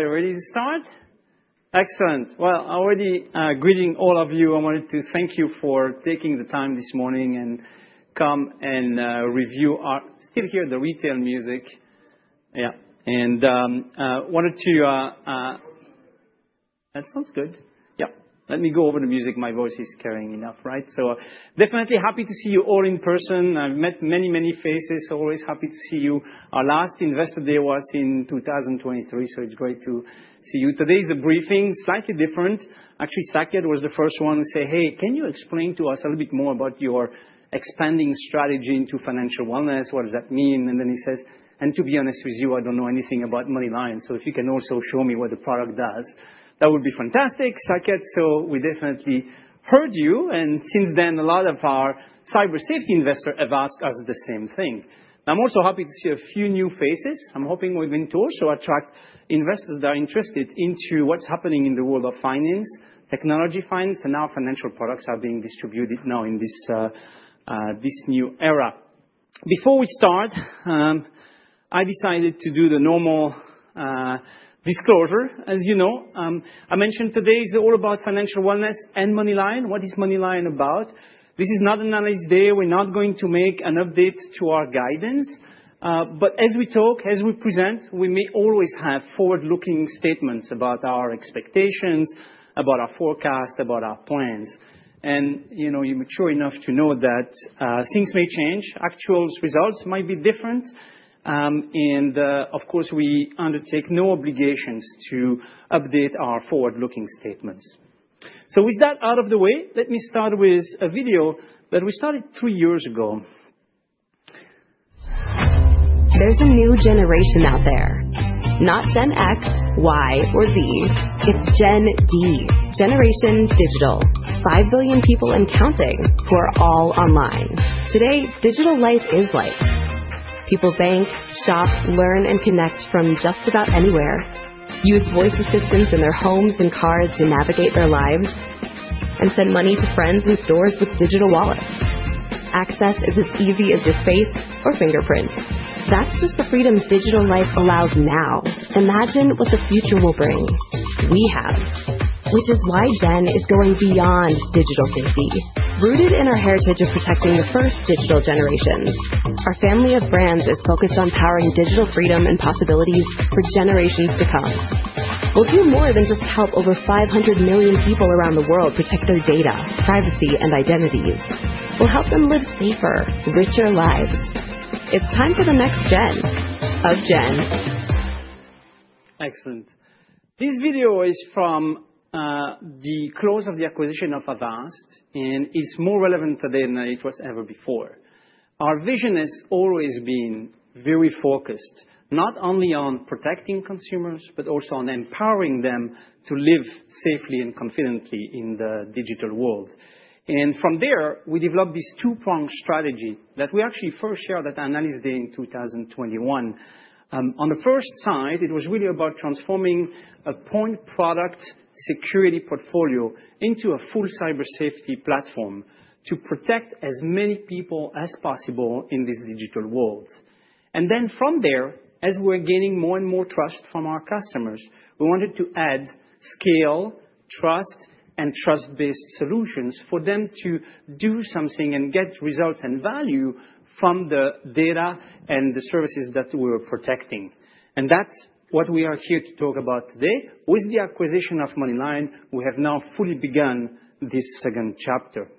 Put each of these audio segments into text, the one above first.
All right. You're ready to start? Excellent. Well, already greeting all of you. I wanted to thank you for taking the time this morning and come and review our still hear the retail music. Yes. And I wanted to that sounds good. Yes. Let me go over the music. My voice is caring enough, right? So definitely happy to see you all in person. I've met many, many faces. Always happy to see you. Our last Investor Day was in 2023, so it's great to see you. Today is a briefing, slightly different. Actually, Saket was the first one to say, hey, can you explain to us a little bit more about your expanding strategy into financial wellness? What does that mean? And then he says, and to be honest with you, I don't know anything about MoneyLion. So if you can also show me what the product does, that would be fantastic. Saket, so we definitely heard you. And since then, a lot of our cyber safety investor have asked us the same thing. I'm also happy to see a few new faces. I'm hoping we're going to also attract investors that are interested into what's happening in the world of finance, technology finance and our financial products are being distributed now in this new era. Before we start, I decided to do the normal disclosure. As you know, I mentioned today is all about financial wellness and MoneyLion. What is MoneyLion about? This is not an Analyst Day. We're not going to make an update to our guidance. But as we talk, as we present, we may always have forward looking statements about our expectations, about our forecast, about our plans. And you're mature enough to know that things may change. Actual results might be different. And of course, we undertake no obligations to update our forward looking statements. So with that out of the way, let me start with a video that we started three years ago. There's a new generation out there, not Gen X, Y or Z, it's Gen D, generation digital, 5,000,000,000 people and counting who are all online. Today, digital life is life. People bank, shop, learn and connect from just about anywhere, use voice assistance in their homes and cars to navigate their lives going beyond digital safety. Rooted in our heritage of protecting the first digital generation, our family of brands is focused on powering digital freedom and possibilities for generations to come. We'll do more than just help over 500,000,000 people around the world protect their data, privacy and identities. We'll help them live safer, richer lives. It's time for the next gen of gens. Excellent. This video is from the close of the acquisition of Avast, and it's more relevant today than it was ever before. Our vision has always been very focused, not only on protecting consumers but also on empowering them to live safely and confidently in the digital world. And from there, we developed this two pronged strategy that we actually first shared at the Analyst Day in 2021. On the first side, it was really about transforming a point product security portfolio into a full cyber safety platform to protect as many people as possible in this digital world. And then from there, as we're gaining more and more trust from our customers, we wanted to add scale, trust and trust based solutions for them to do something and get results and value from the data and the services that we are protecting. And that's what we are here to talk about today. With the acquisition of MoneyLion, we have now fully begun this second chapter.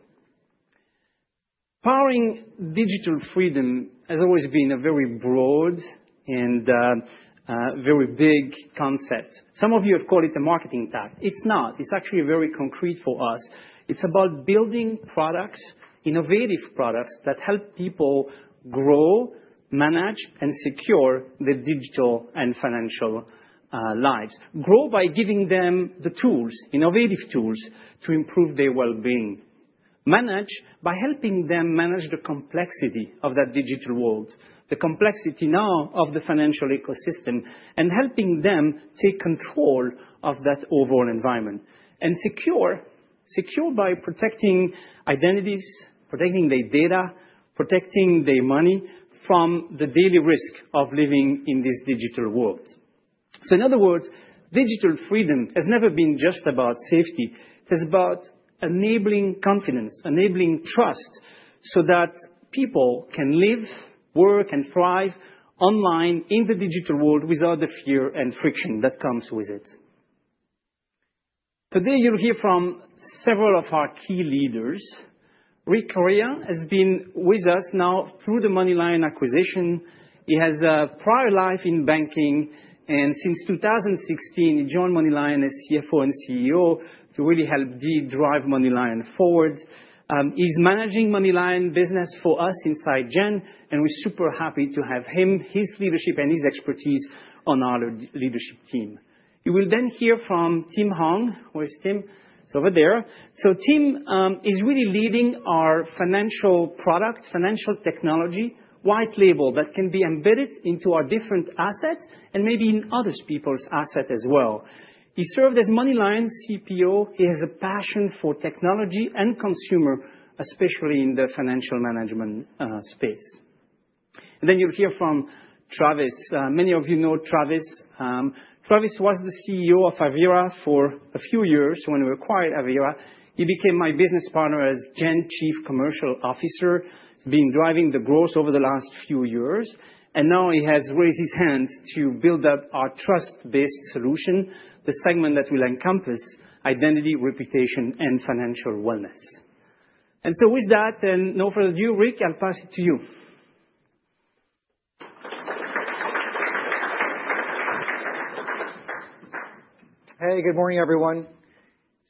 Powering digital freedom has always been a very broad and very big concept. Some of you have called it the marketing tact. It's not. It's actually very concrete for us. It's about building products, innovative products that help people grow, manage and secure their digital and financial lives. Grow by giving them the tools, innovative tools to improve their well-being. Manage by helping them manage the complexity of that digital world, the complexity now of the financial ecosystem and helping them take control of that overall environment. And secure, secure by protecting identities, protecting their data, protecting their money from the daily risk of living in this digital world. So in other words, digital freedom has never been just about safety. It's about enabling confidence, enabling trust so that people can live, work and thrive online in the digital world without the fear and friction that comes with it. Today, you'll hear from several of our key leaders. Rick Correa has been with us now through the MoneyLion acquisition. He has a prior life in banking. And since 2016, he joined MoneyLion as CFO and CEO to really help Dee drive MoneyLion forward. He's managing MoneyLion business for us inside Gen, and we're super happy to have him, his leadership and his expertise on our leadership team. You will then hear from Tim Hong. Where is Tim? It's over there. So Tim is really leading our financial product, financial technology, white label that can be embedded into our different assets and maybe in other people's assets as well. He served as Moneyline's CPO. He has a passion for technology and consumer, especially in the financial management space. Then you'll hear from Travis. Many of you know Travis. Travis was the CEO of Avira for a few years when we acquired Avira. He became my business partner as Gen Chief Commercial Officer. He's been driving the growth over the last few years. And now he has raised his hands to build up our trust based solution, the segment that will encompass identity, reputation and financial wellness. And so with that, no further ado, Rick, I'll pass it to you. Hey, good morning, everyone.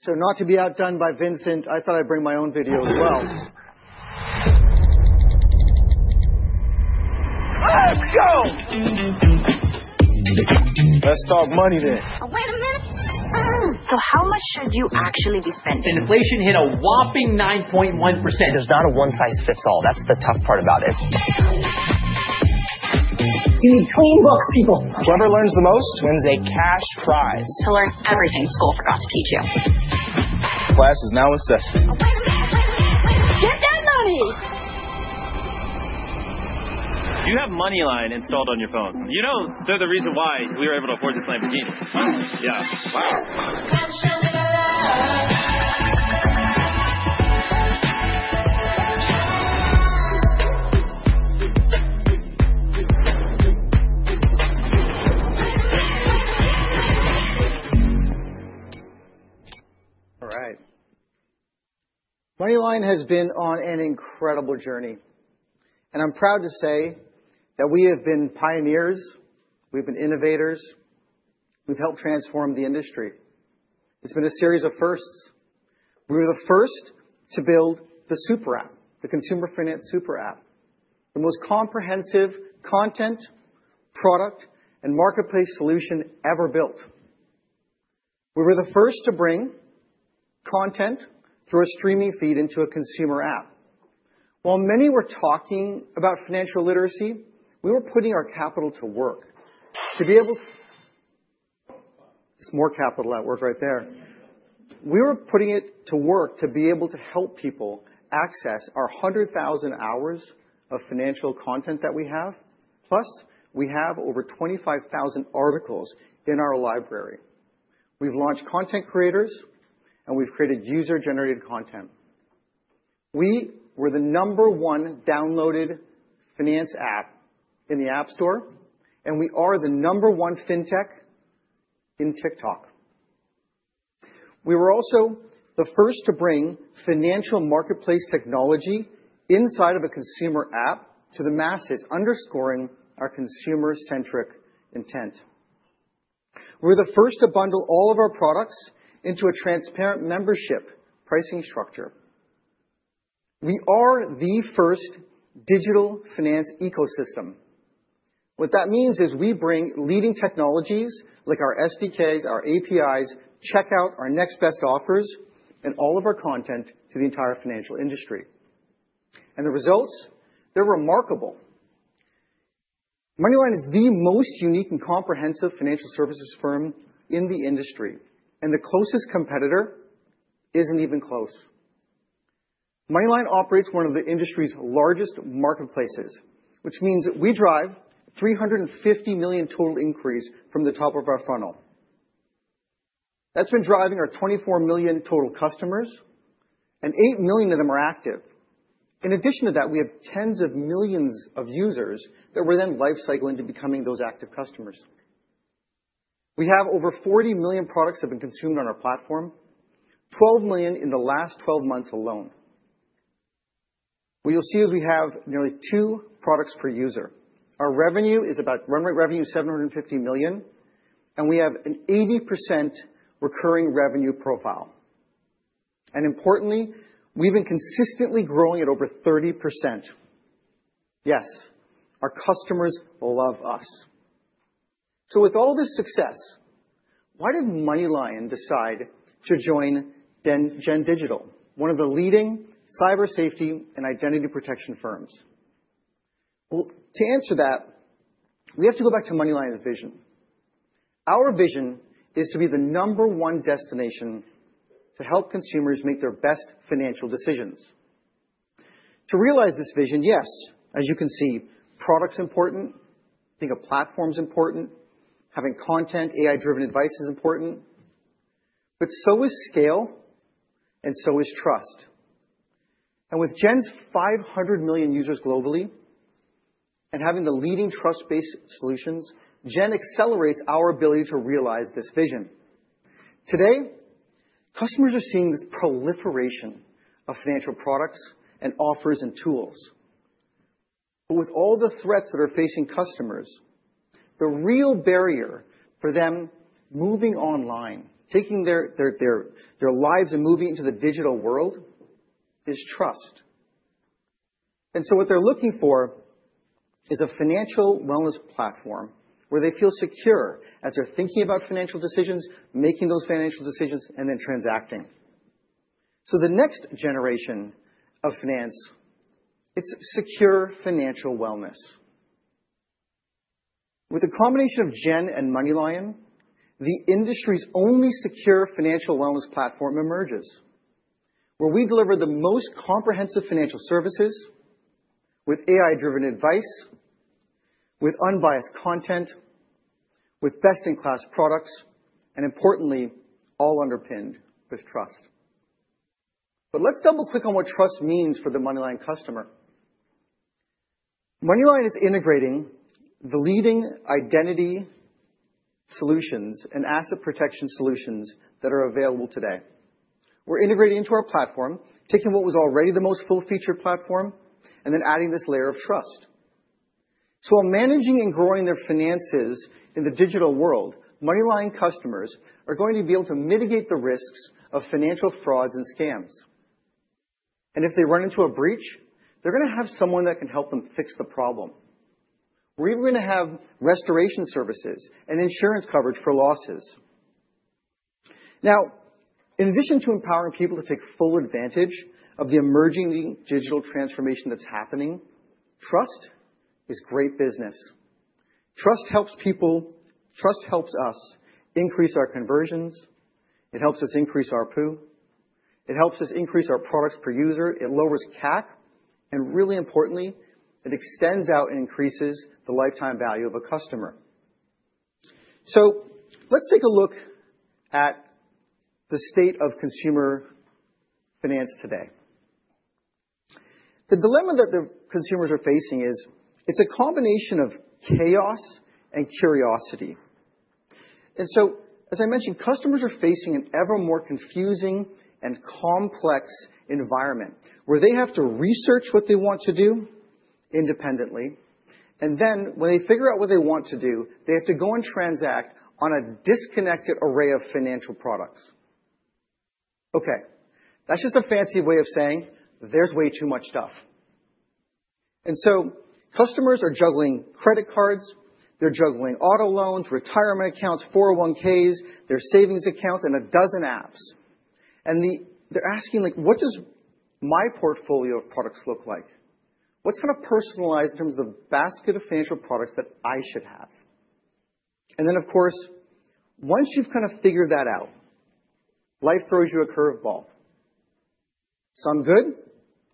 So not to be outdone by Vincent, I thought I'd bring my own video as well. Let's talk money then. Wait a minute. So how much should you actually be spending? Inflation hit a whopping 9.1%. It's not a one size fits all. That's the tough part about it. You need clean books, people. Whoever learns the most wins a cash prize. To learn everything school forgot to teach you. Class is now in session. Get that money. You have Moneyline installed on All right. MoneyLion has been on an incredible journey. And I'm proud to say that we have been pioneers, we've been innovators, we've helped transform the industry. It's been a series of firsts. We were the first to build the super app, the consumer finance super app, the most comprehensive content, product and marketplace solution ever built. We were the first to bring content through a streaming feed into a consumer app. While many were talking about financial literacy, we were putting our capital to work to be able to there's more capital at work right there. We were putting it to work to be able to help people access our one hundred thousand hours of financial content that we have, plus we have over 25,000 articles in our library. We've launched content creators and we've created user generated content. We were the number one downloaded finance app in the App Store, and we are the number one fintech in TikTok. We were also the first to bring financial marketplace technology inside of a consumer app to the masses, underscoring our consumer centric intent. We're the first to bundle all of our products into a transparent membership pricing structure. We are the first digital finance ecosystem. What that means is we bring leading technologies like our SDKs, our APIs, check out our next best offers and all of our content the entire financial industry. And the results, they're remarkable. Moneyline is the most unique and comprehensive financial services firm in the industry, and the closest competitor isn't even close. MoneyLion operates one of the industry's largest marketplaces, which means that we drive $350,000,000 total increase from the top of our funnel. That's been driving our 24,000,000 total customers, and 8,000,000 of them are active. In addition to that, we have tens of millions of users that we're then life cycle into becoming those active customers. We have over 40,000,000 products that have been consumed on our platform, 12,000,000 in the last twelve months alone. What you'll see is we have nearly two products per user. Our revenue is about run rate revenue, $750,000,000, and we have an 80% recurring revenue profile. And importantly, we've been consistently growing at over 30%. Yes, our customers love us. So with all this success, why did MoneyLion decide to join Gen Digital, one of the leading cyber safety and identity protection firms? Well, to answer that, we have to go back to MoneyLion's vision. Our vision is to be the number one destination to help consumers make their best financial decisions. To realize this vision, yes, as you can see, product is important, think of platform is important, having content, AI driven advice is important, but so is scale and so is trust. And with Gen's 500,000,000 users globally and having the leading trust based solutions, Gen accelerates our ability to realize this vision. Today, customers are seeing this proliferation of financial products and offers and tools. But with all the threats that are facing customers, the real barrier for them moving online, taking their lives and moving into the digital world is trust. And so what they're looking for is a financial wellness platform where they feel secure as they're thinking about financial decisions, making those financial decisions and then transacting. So the next generation of finance, it's secure financial wellness. With a combination of Gen and MoneyLion, the industry's only secure financial wellness platform emerges, where we deliver the most comprehensive financial services with AI driven advice, with unbiased content, with best in class products and importantly, all underpinned with trust. But let's double click on what trust means for the MoneyLion customer. MoneyLion is integrating the leading identity solutions and asset protection solutions that are available today. We're integrating into our platform, taking what was already the most full featured platform and then adding this layer of trust. So while managing and growing their finances in the digital world, MoneyLion customers are going to be able to mitigate the risks of financial frauds and scams. And if they run into a breach, they're going to have someone that can help them fix the problem. We're even going to have restoration services and insurance coverage for losses. Now in addition to empowering people to take full advantage of the emerging digital transformation that's happening, trust is great business. Trust helps people trust helps us increase our conversions. It helps us increase ARPU. It helps us increase our products per user. It lowers CAC. And really importantly, it extends out and increases the lifetime value of a customer. So let's take a look at the state of consumer finance today. The dilemma that the consumers are facing is it's a combination of chaos and curiosity. And so as I mentioned, customers are facing an ever more confusing and complex environment where they have to research what they want to do independently. And then when they figure out what they want to do, they have to go and transact on a disconnected array of financial products. Okay. That's just a fancy way of saying there's way too much stuff. And so customers are juggling credit cards, they're juggling auto loans, retirement accounts, 401s, their savings accounts and a dozen apps. And they're asking like, what does my portfolio of products look like? What's kind of personalized in terms of basket of financial products that I should have? And then of course, once you've kind of figured that out, life throws you a curveball, some good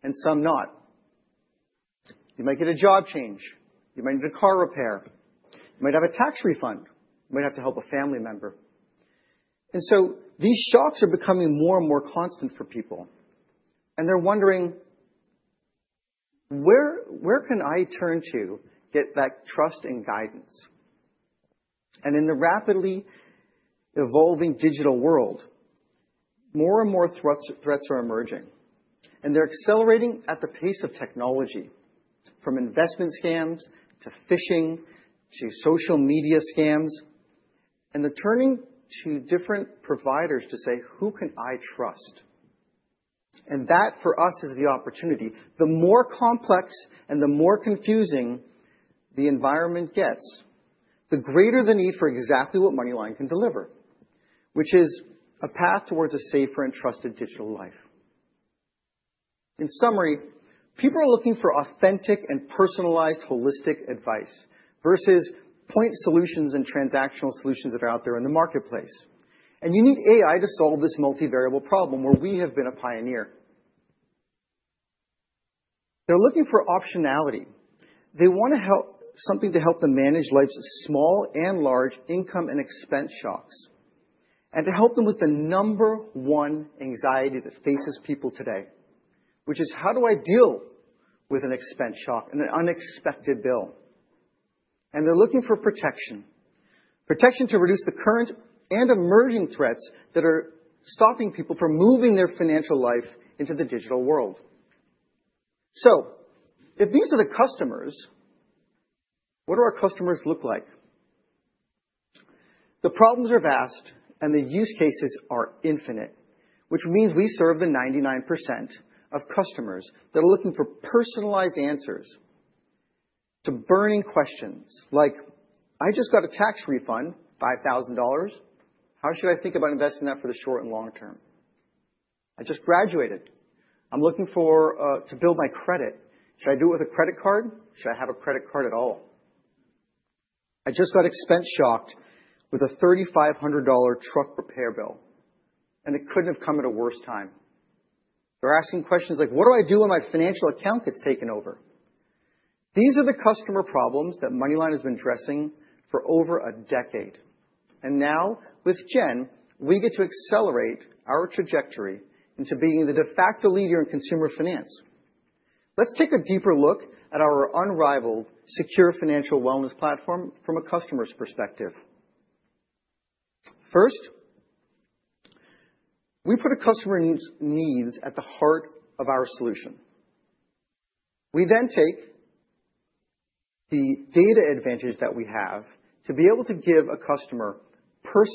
and some not. You might get a job change, you might need a car repair, you might have a tax refund, you might have to help a family member. And so these shocks are becoming more and more constant for people. And they're wondering, where can I turn to get that trust and guidance? And in the rapidly evolving digital world, more and more threats are emerging. And they're accelerating at the pace of technology from investment scams to phishing to social media scams and they're turning to different providers to say, who can I trust? And that for us is the opportunity. The more complex and the more confusing the environment gets, the greater the need for exactly what MoneyLion can deliver, which is a path towards a safer and trusted digital life. In summary, people are looking for authentic and personalized holistic advice versus point solutions and transactional solutions that are out there in the marketplace. And you need AI to solve this multivariable problem where we have been a pioneer. They're looking for optionality. They want to help something to help them manage life's small and large income and expense shocks and to help them with the number one anxiety that faces people today, which is how do I deal with an expense shock and an unexpected bill. And they're looking for protection, protection to reduce the current and emerging threats that are stopping people from moving their financial life into the digital world. So if these are the customers, what do our customers look like? The problems are vast and the use cases are infinite, which means we serve the 99% of customers that are looking for personalized answers to burning questions like, I just got a tax refund, 5,000. How should I think about investing that for the short and long term? I just graduated. I'm looking for to build my credit. Should I do it with a credit card? Should I have a credit card at all? I just got expense shocked with a $3,500 truck repair bill, and it couldn't have come at a worse time. They're asking questions like, what do I do when my financial account gets taken over? These are the customer problems that MoneyLion has been addressing for over a decade. And now with Jen, we get to accelerate our trajectory into being the de facto leader in consumer finance. Let's take a deeper look at our unrivaled secure financial wellness platform from a customer's perspective. First, we put a customer needs at the heart of our solution. We then take the data advantage that we have to be able to give a customer First,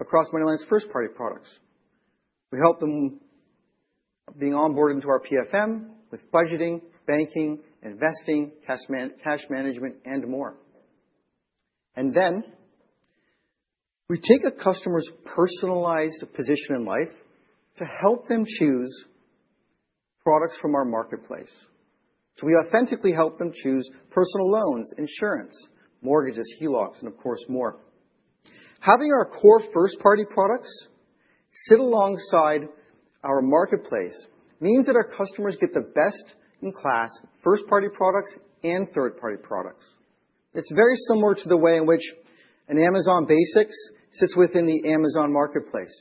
across MoneyLion's first party products. We help them being onboard into our PFM with budgeting, banking, investing, cash management and more. And then we take a customer's personalized position in life to help them choose products from our marketplace. So we authentically help them choose personal loans, insurance, mortgages, HELOCs and of course more. Having our core first party products sit alongside our marketplace means that our customers get the best in class first party products and third party products. It's very similar to the way in which an Amazon Basics sits within the Amazon marketplace,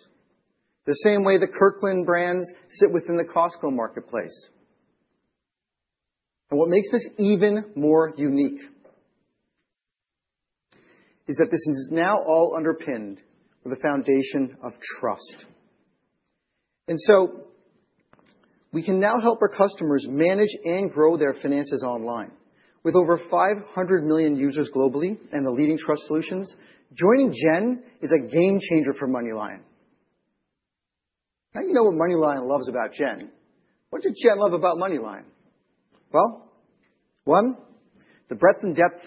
the same way the Kirkland brands sit within the Costco marketplace. And what makes this even more unique is that this is now all underpinned with the foundation of trust. And so we can now help our customers manage and grow their finances online. With over 500,000,000 users globally and the leading trust solutions, joining Gen is a game changer for MoneyLion. Now you know what MoneyLion loves about Gen. What does Gen love about MoneyLion? Well, one, the breadth and depth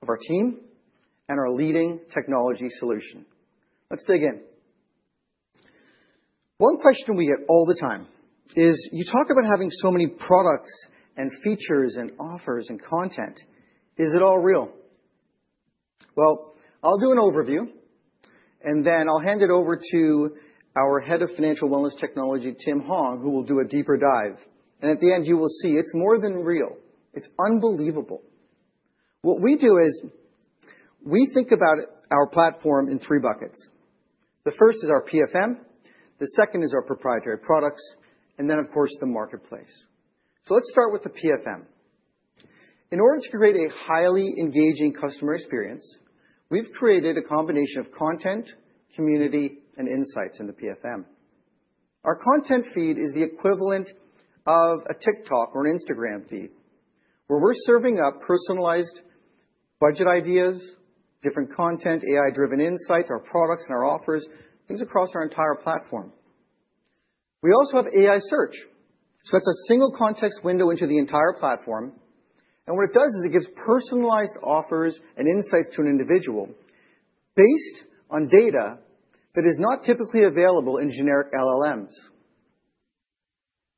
of our team and our leading technology solution. Let's dig in. One question we get all the time is you talk about having so many products and features and offers and content. Is it all real? Well, I'll do an overview, and then I'll hand it over to our Head of Financial Wellness Technology, Tim Hong, who will do a deeper dive. And at the end, you will see it's more than real. It's unbelievable. What we do is we think about our platform in three buckets. The first is our PFM, the second is our proprietary products and then, of course, the marketplace. So let's start with the PFM. In order to create a highly engaging customer experience, we've created a combination of content, community and insights in the PFM. Our content feed is the equivalent of a TikTok or an Instagram feed, where we're serving up personalized budget ideas, different content, AI driven insights, our products and our offers, things across our entire platform. We also have AI search. So it's a single context window into the entire platform. And what it does is it gives personalized offers and insights to an individual based on data that is not typically available in generic LLMs.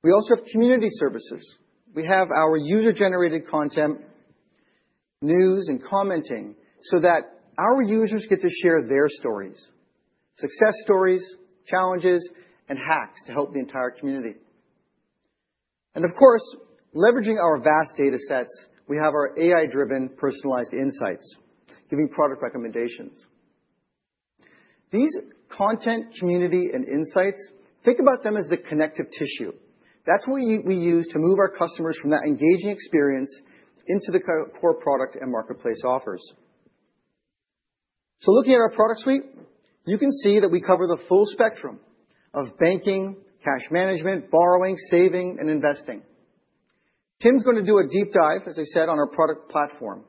We also have community services. We have our user generated content, news and commenting so that our users get to share their stories, success stories, challenges and hacks to help the entire community. And of course, leveraging our vast data sets, we have our AI driven personalized insights, giving product recommendations. These content community and insights, think about them as the connective tissue. That's what we use to move our customers from that engaging experience into the core product and marketplace offers. So looking at our product suite, you can see that we cover the full spectrum of banking, cash management, borrowing, saving and investing. Tim is going to do a deep dive, as I said, on our product platform.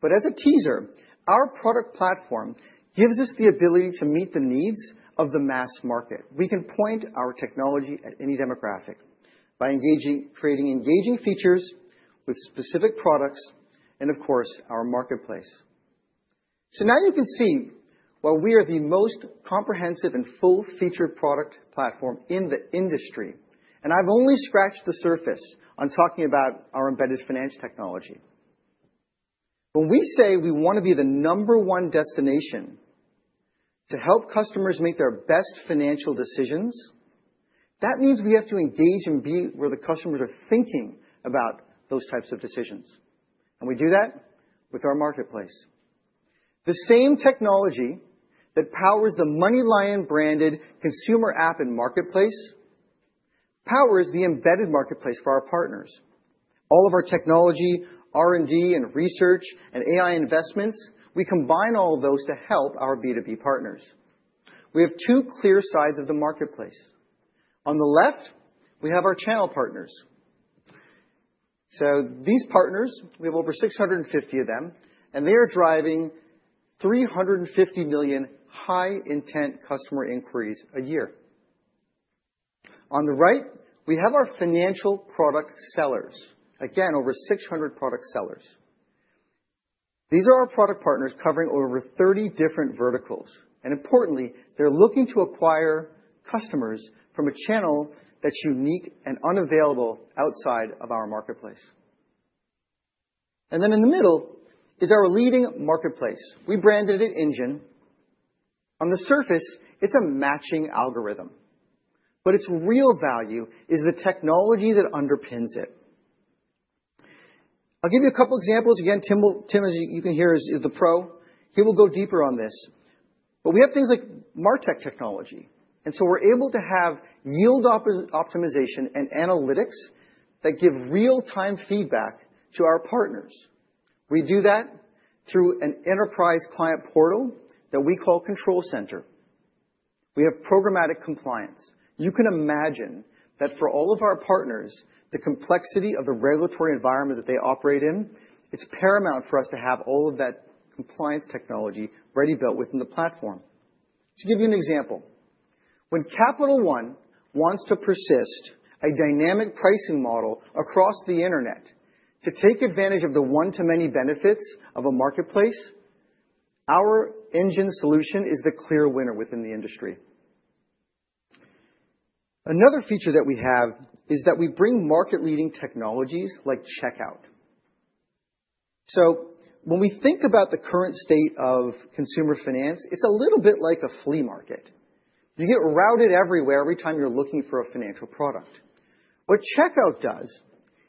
But as a teaser, our product platform gives us the ability to meet the needs of the mass market. We can point our technology at any demographic by engaging creating engaging features with specific products and, of course, our marketplace. So now you can see why we are the most comprehensive and full featured product platform in the industry, and I've only scratched the surface on talking about our embedded finance technology. When we say we want to be the number one destination to help customers make their best financial decisions, that means we have to engage and be where the customers are thinking about those types of decisions. And we do that with our marketplace. The same technology that powers the MoneyLion branded consumer app and marketplace powers the embedded marketplace for our partners. All of our technology, R and D and research and AI investments, we combine all of those to help our B2B partners. We have two clear sides of the marketplace. On the left, we have our channel partners. So these partners, we have over six fifty of them, and they are driving three fifty million high intent customer inquiries a year. On the right, we have our financial product sellers, again, over 600 product sellers. These are our product partners covering over 30 different verticals. And importantly, they're looking to acquire customers from a channel that's unique and unavailable outside of our marketplace. And then in the middle is our leading marketplace. We branded it NGEN. On the surface, it's a matching algorithm, but its real value is the technology that underpins it. I'll give you a couple of examples. Again, Tim, as you can hear, is the pro. He will go deeper on this. But we have things like Martech technology. And so we're able to have yield optimization and analytics that give real time feedback to our partners. We do that through an enterprise client portal that we call ControlCenter. We have programmatic compliance. You can imagine that for all of our partners, the complexity of the regulatory environment that they operate in, it's paramount for us to have all of that compliance technology ready built within the platform. To give you an example, when Capital One wants to persist a dynamic pricing model across the Internet to take advantage of the one to many benefits of a marketplace, our engine solution is the clear winner within the industry. Another feature that we have is that we bring market leading technologies like checkout. So when we think about the current state of consumer finance, it's a little bit like a flea market. You get routed everywhere every time you're looking for a financial product. What Checkout does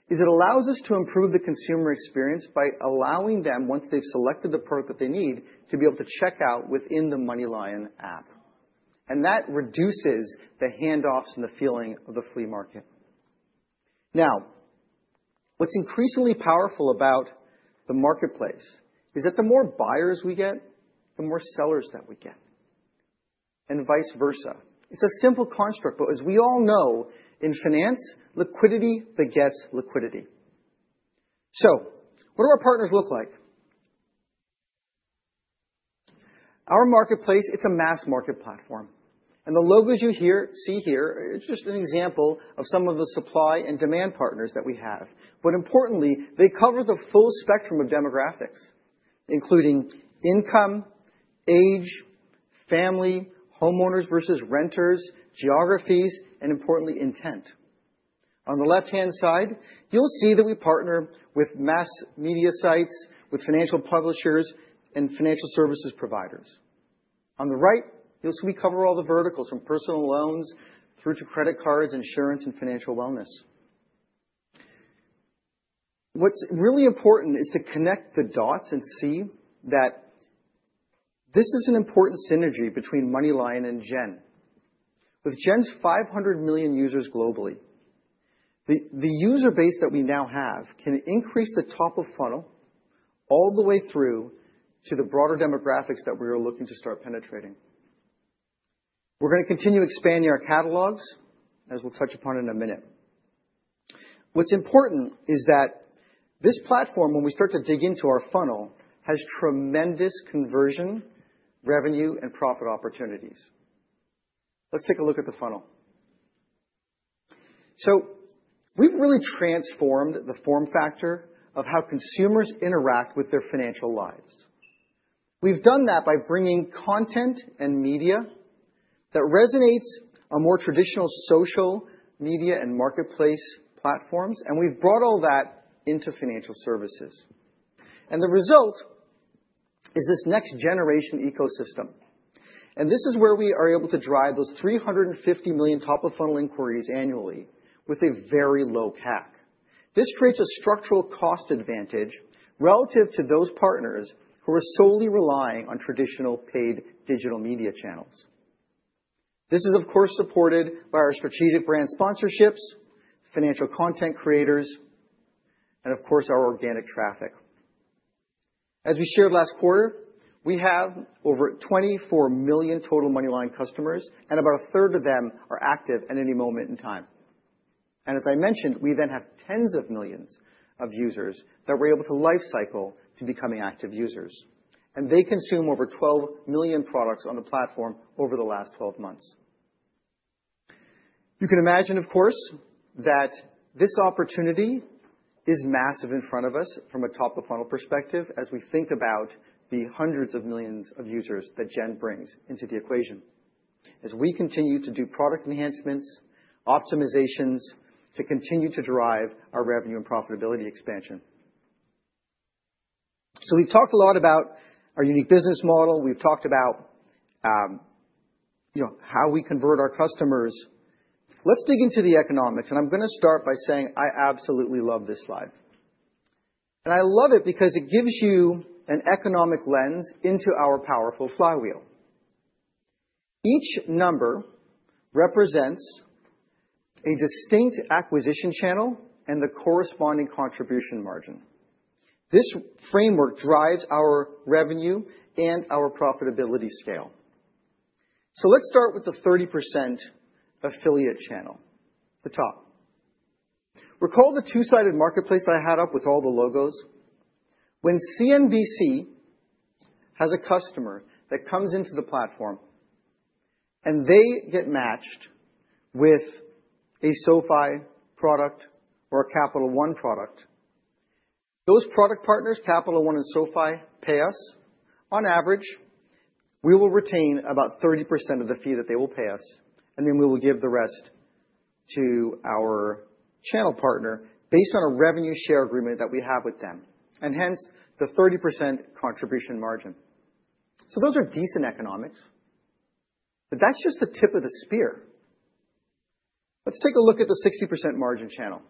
is it allows us to improve the consumer experience by allowing them, once they've selected the product that they need, to be able to check out within the MoneyLion app. And that reduces the handoffs and the feeling of the flea market. Now what's increasingly powerful about the marketplace is that the more buyers we get, the more sellers that we get and vice versa. It's a simple construct. But as we all know, in finance, liquidity begets liquidity. So what do our partners look like? Our marketplace, it's a mass market platform. And the logos you see here, it's just an example of some of the supply and demand partners that we have. But importantly, they cover the full spectrum of demographics, including income, age, family, homeowners versus renters, geographies and importantly, intent. On the left hand side, you'll see that we partner with mass media sites, with financial publishers and financial services providers. On the right, you'll see we cover all the verticals from personal loans through to credit cards, insurance and financial wellness. What's really important is to connect the dots and see that this is an important synergy between MoneyLion and Gen. With Gen's 500,000,000 users globally, the user base that we now have can increase the top of funnel all the way through to the broader demographics that we are looking to start penetrating. We're going to continue expanding our catalogs, as we'll touch upon in a minute. What's important is that this platform, when we start to dig into our funnel, has tremendous conversion, revenue and profit opportunities. Let's take a look at the funnel. So we've really transformed the form factor of how consumers interact with their financial lives. We've done that by bringing content and media that resonates on more traditional social media and marketplace platforms, and we've brought all that into financial services. And the result is this next generation ecosystem. And this is where we are able to drive those three fifty million top of funnel inquiries annually with a very low CAC. This creates a structural cost advantage relative to those partners who are solely relying on traditional paid digital media channels. This is, of course, supported by our strategic brand sponsorships, financial content creators and, of course, our organic traffic. As we shared last quarter, we have over 24,000,000 total Moneyline customers and about a third of them are active at any moment in time. And as I mentioned, we then have tens of millions of users that we're able to life cycle to becoming active users. And they consume over 12,000,000 products on the platform over the last twelve months. You can imagine, of course, that this opportunity is massive in front of us from a top of funnel perspective as we think about the hundreds of millions of users that Jenn brings into the equation as we continue to do product enhancements, optimizations to continue to drive our revenue and profitability expansion. So we've talked a lot about our unique business model. We've talked about how we convert our customers. Let's dig into the economics. And I'm going to start by saying I absolutely love this slide. And I love it because it gives you an economic lens into our powerful flywheel. Each number represents a distinct acquisition channel and the corresponding contribution margin. This framework drives our revenue and our profitability scale. So let's start with the 30% affiliate channel, the top. Recall the two sided marketplace that I had up with all the logos? When CNBC has a customer that comes into the platform and they get matched with a SoFi product or a Capital One product, those product partners, Capital One and SoFi, pay us on average. We will retain about 30% of the fee that they will pay us, and then we will give the rest to our channel partner based on a revenue share agreement that we have with them, and hence, the 30% contribution margin. So those are decent economics, but that's just the tip of the spear. Let's take a look at the 60% margin channel.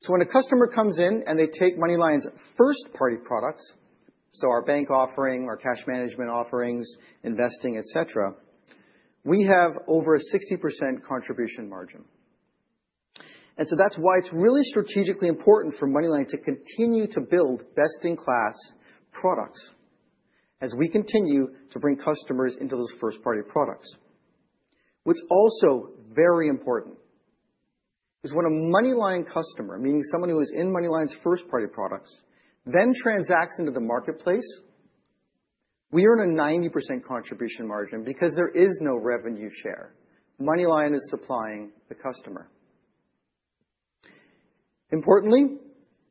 So when a customer comes in and they take Moneyline's first party products, so our bank offering, our cash management offerings, investing, etcetera, we have over a 60% contribution margin. And so that's why it's really strategically important for Moneyline to continue to build best in class products as we continue to bring customers into those first party products. What's also very important is when a MoneyLion customer, meaning someone who is in MoneyLion's first party products, then transacts into the marketplace, we earn a 90% contribution margin because there is no revenue share. MoneyLion is supplying the customer. Importantly,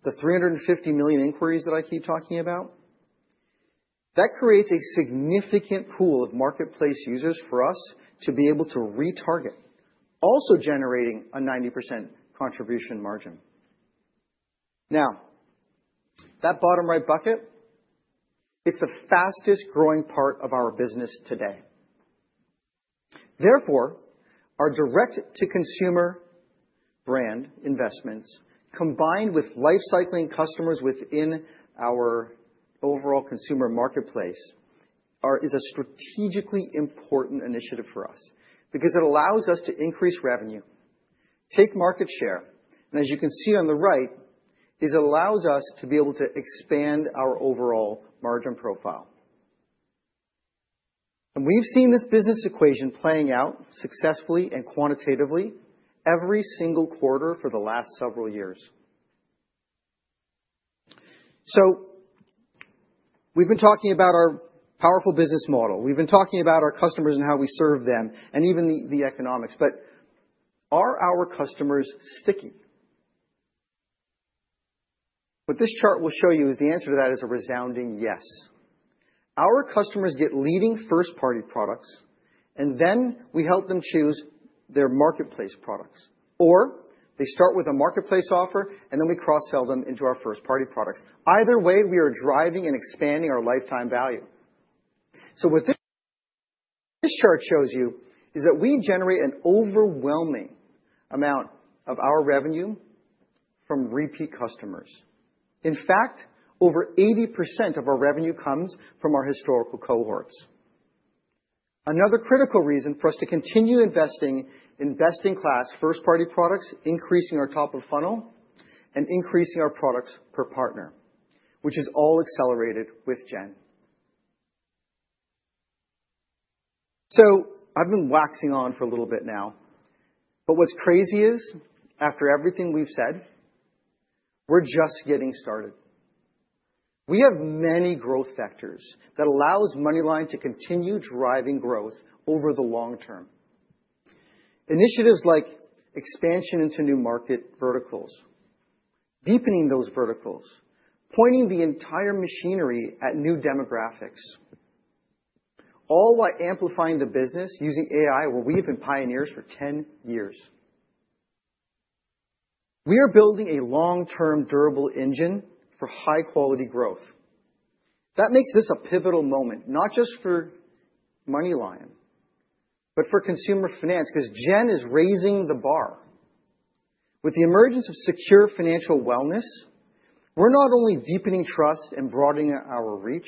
the three fifty million inquiries that I keep talking about, that creates a significant pool of marketplace users for us to be able to retarget, also generating a 90% contribution margin. Now that bottom right bucket, it's the fastest growing part of our business today. Therefore, our direct to consumer brand investments, combined with life cycling customers within our overall consumer marketplace, is a strategically important initiative for us because it allows us to increase revenue, take market share. And as you can see on the right, this allows us to be able to expand our overall margin profile. And we've seen this business equation playing out successfully and quantitatively every single quarter for the last several years. So we've been talking about our powerful business model. We've been talking about our customers and how we serve them and even the economics. But are our customers sticky? What this chart will show you is the answer to that is a resounding yes. Our customers get leading first party products, and then we help them choose their marketplace products. Or they start with a marketplace offer and then we cross sell them into our first party products. Either way, we are driving and expanding our lifetime value. So what this chart shows you is that we generate an overwhelming amount of our revenue from repeat customers. In fact, over 80% of our revenue comes from our historical cohorts. Another critical reason for us to continue investing in best in class first party products, increasing our top of funnel and increasing our products per partner, which is all accelerated with Gen. So I've been waxing on for a little bit now. But what's crazy is, after everything we've said, we're just getting started. We have many growth vectors that allows Moneyline to continue driving growth over the long term. Initiatives like expansion into new market verticals, deepening those verticals, pointing the entire machinery at new demographics, all while amplifying the business using AI where we have been pioneers for ten years. We are building a long term durable engine for high quality growth. That makes this a pivotal moment, not just for MoneyLion, but for consumer finance because Jen is raising the bar. With the emergence of secure financial wellness, we're not only deepening trust and broadening our reach,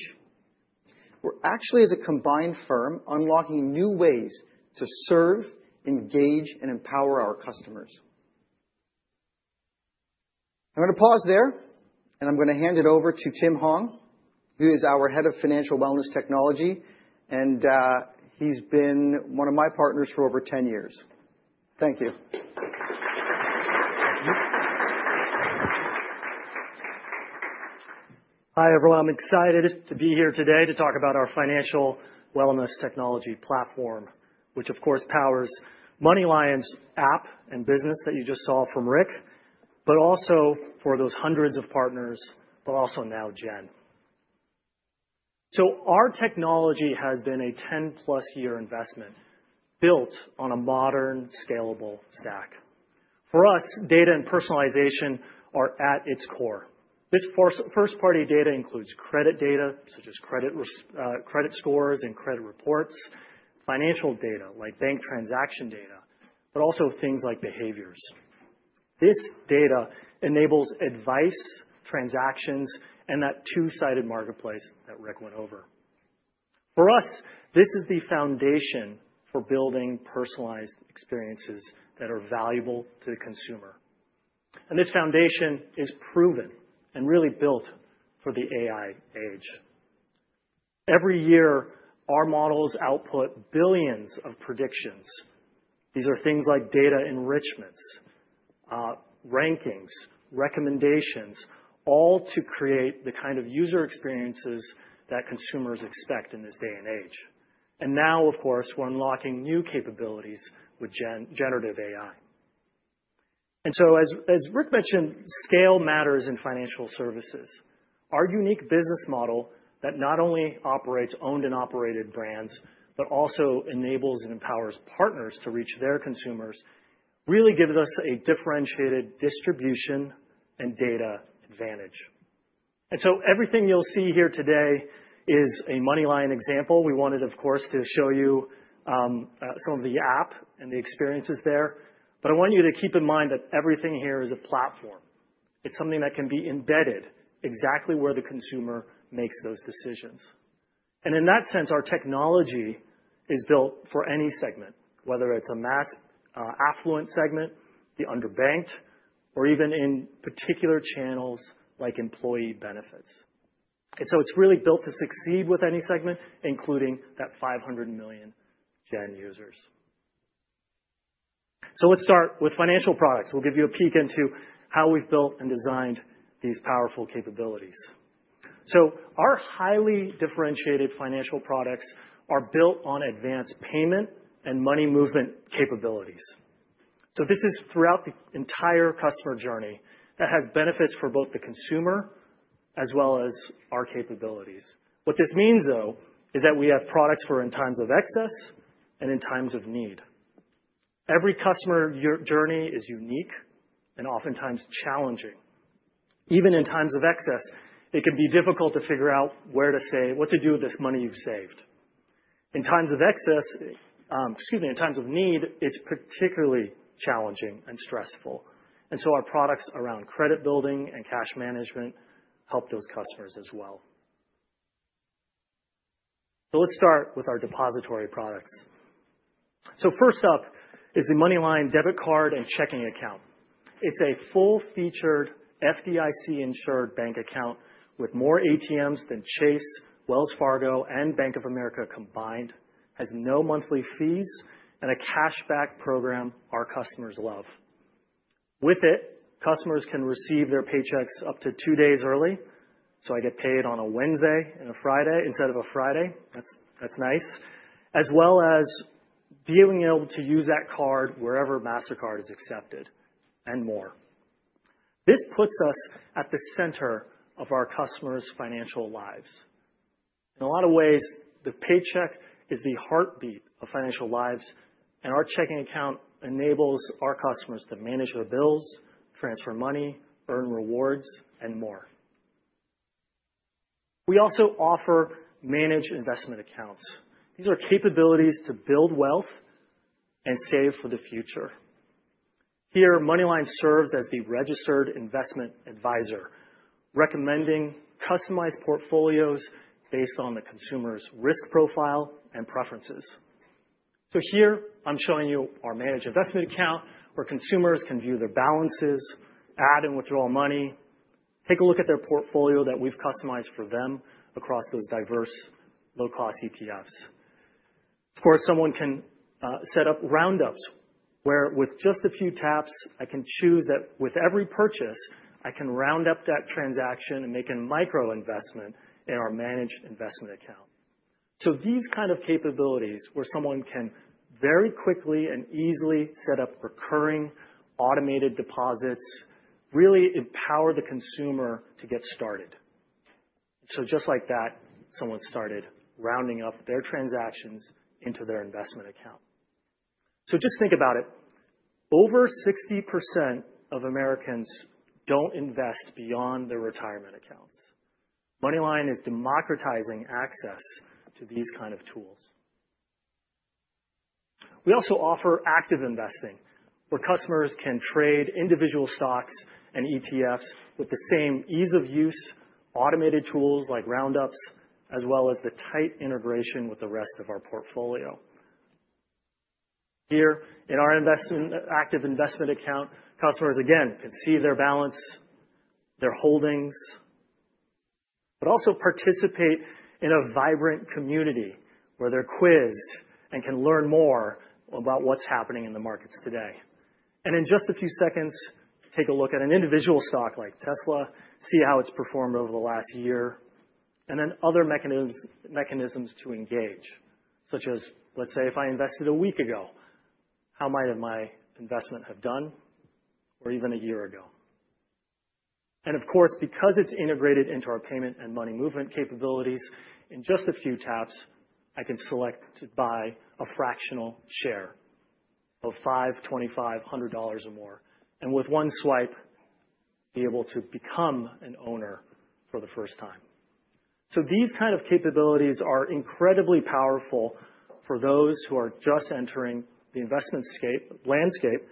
we're actually, as a combined firm, unlocking new ways to serve, engage and empower our customers. I'm going to pause there, and I'm going to hand it over to Tim Hong, who is our Head of Financial Wellness Technology, and he's been one of my partners for over ten years. Thank you. Hi, everyone. I'm excited to be here today to talk about our financial wellness technology platform, which, of course, powers MoneyLion's app and business that you just saw from Rick, but also for those hundreds of partners, but also now Gen. So our technology has been a ten plus year investment built on a modern scalable stack. For us, data and personalization are at its core. This first party data includes credit data, such as credit scores and credit reports financial data, like bank transaction data, but also things like behaviors. This data enables advice, transactions and that two sided marketplace that Rick went over. For us, this is the foundation for building personalized experiences that are valuable to the consumer. And this foundation is proven and really built for the AI age. Every year, our models output billions of predictions. These are things like data enrichments, rankings, recommendations, all to create the kind of user experiences that consumers expect in this day and age. And now, of course, we're unlocking new capabilities with generative AI. And so as Rick mentioned, scale matters in financial services. Our unique business model that not only operates owned and operated brands but also enables and empowers partners to reach their consumers really gives us a differentiated distribution and data advantage. And so everything you'll see here today is a MoneyLion example. We wanted, of course, to show you some of the app and the experiences there. But I want you to keep in mind that everything here is a platform. It's something that can be embedded exactly where the consumer makes those decisions. And in that sense, our technology is built for any segment, whether it's a mass affluent segment, the underbanked or even in particular channels like employee benefits. And so it's really built to succeed with any segment, including that 500,000,000 gen users. So let's start with financial products. We'll give you a peek into how we've built and designed these powerful capabilities. So our highly differentiated financial products are built on advanced payment and money movement capabilities. So this is throughout the entire customer journey that has benefits for both the consumer as well as our capabilities. What this means, though, is that we have products for in times of excess and in times of need. Every customer journey is unique and oftentimes challenging. Even in times of excess, it can be difficult to figure out where to say what to do with this money you've saved. In times of excess excuse me, in times of need, it's particularly challenging and stressful. And so our products around credit building and cash management help those customers as well. So let's start with our depository products. So first up is the Moneyline debit card and checking account. It's a full featured FDIC insured bank account with more ATMs than Chase, Wells Fargo and Bank of America combined, has no monthly fees and a cash back program our customers love. With it, customers can receive their paychecks up to two days early, so I get paid on a Wednesday and a Friday instead of a Friday, that's nice, as well as being able to use that card wherever Mastercard is accepted and more. This puts us at the center of our customers' financial lives. In a lot of ways, the paycheck is the heartbeat of financial lives, and our checking account enables our customers to manage their bills, transfer money, earn rewards and more. We also offer managed investment accounts. These are capabilities to build wealth and save for the future. Here, Moneyline serves as the registered investment adviser, recommending customized portfolios based on the consumer's risk profile and preferences. So here, I'm showing you our managed investment account where consumers can view their balances, add and withdraw money, take a look at their portfolio that we've customized for them across those diverse low cost ETFs. Of course, someone can set up roundups where with just a few taps, I can choose that with every purchase, I can round up that transaction and make a micro investment in our managed investment account. So these kind of capabilities where someone can very quickly and easily set up recurring automated deposits really empower the consumer to get started. So just like that, someone started rounding up their transactions into their investment account. So just think about it. Over 60% of Americans don't invest beyond their retirement accounts. Moneyline is democratizing access to these kind of tools. We also offer active investing, where customers can trade individual stocks and ETFs with the same ease of use, automated tools like roundups as well as the tight integration with the rest of our portfolio. Here, in our active investment account, customers, again, can see their balance, their holdings, but also participate in a vibrant community where they're quizzed and can learn more about what's happening in the markets today. And in just a few seconds, take a look at an individual stock like Tesla, see how it's performed over the last year and then other mechanisms to engage, such as, let's say, if I invested a week ago, how might have my investment have done or even a year ago? And of course, because it's integrated into our payment and money movement capabilities, in just a few taps, I can select to buy a fractional share of $502,500 or more and with one swipe, be able to become an owner for the first time. So these kind of capabilities are incredibly powerful for those who are just entering the investment landscape,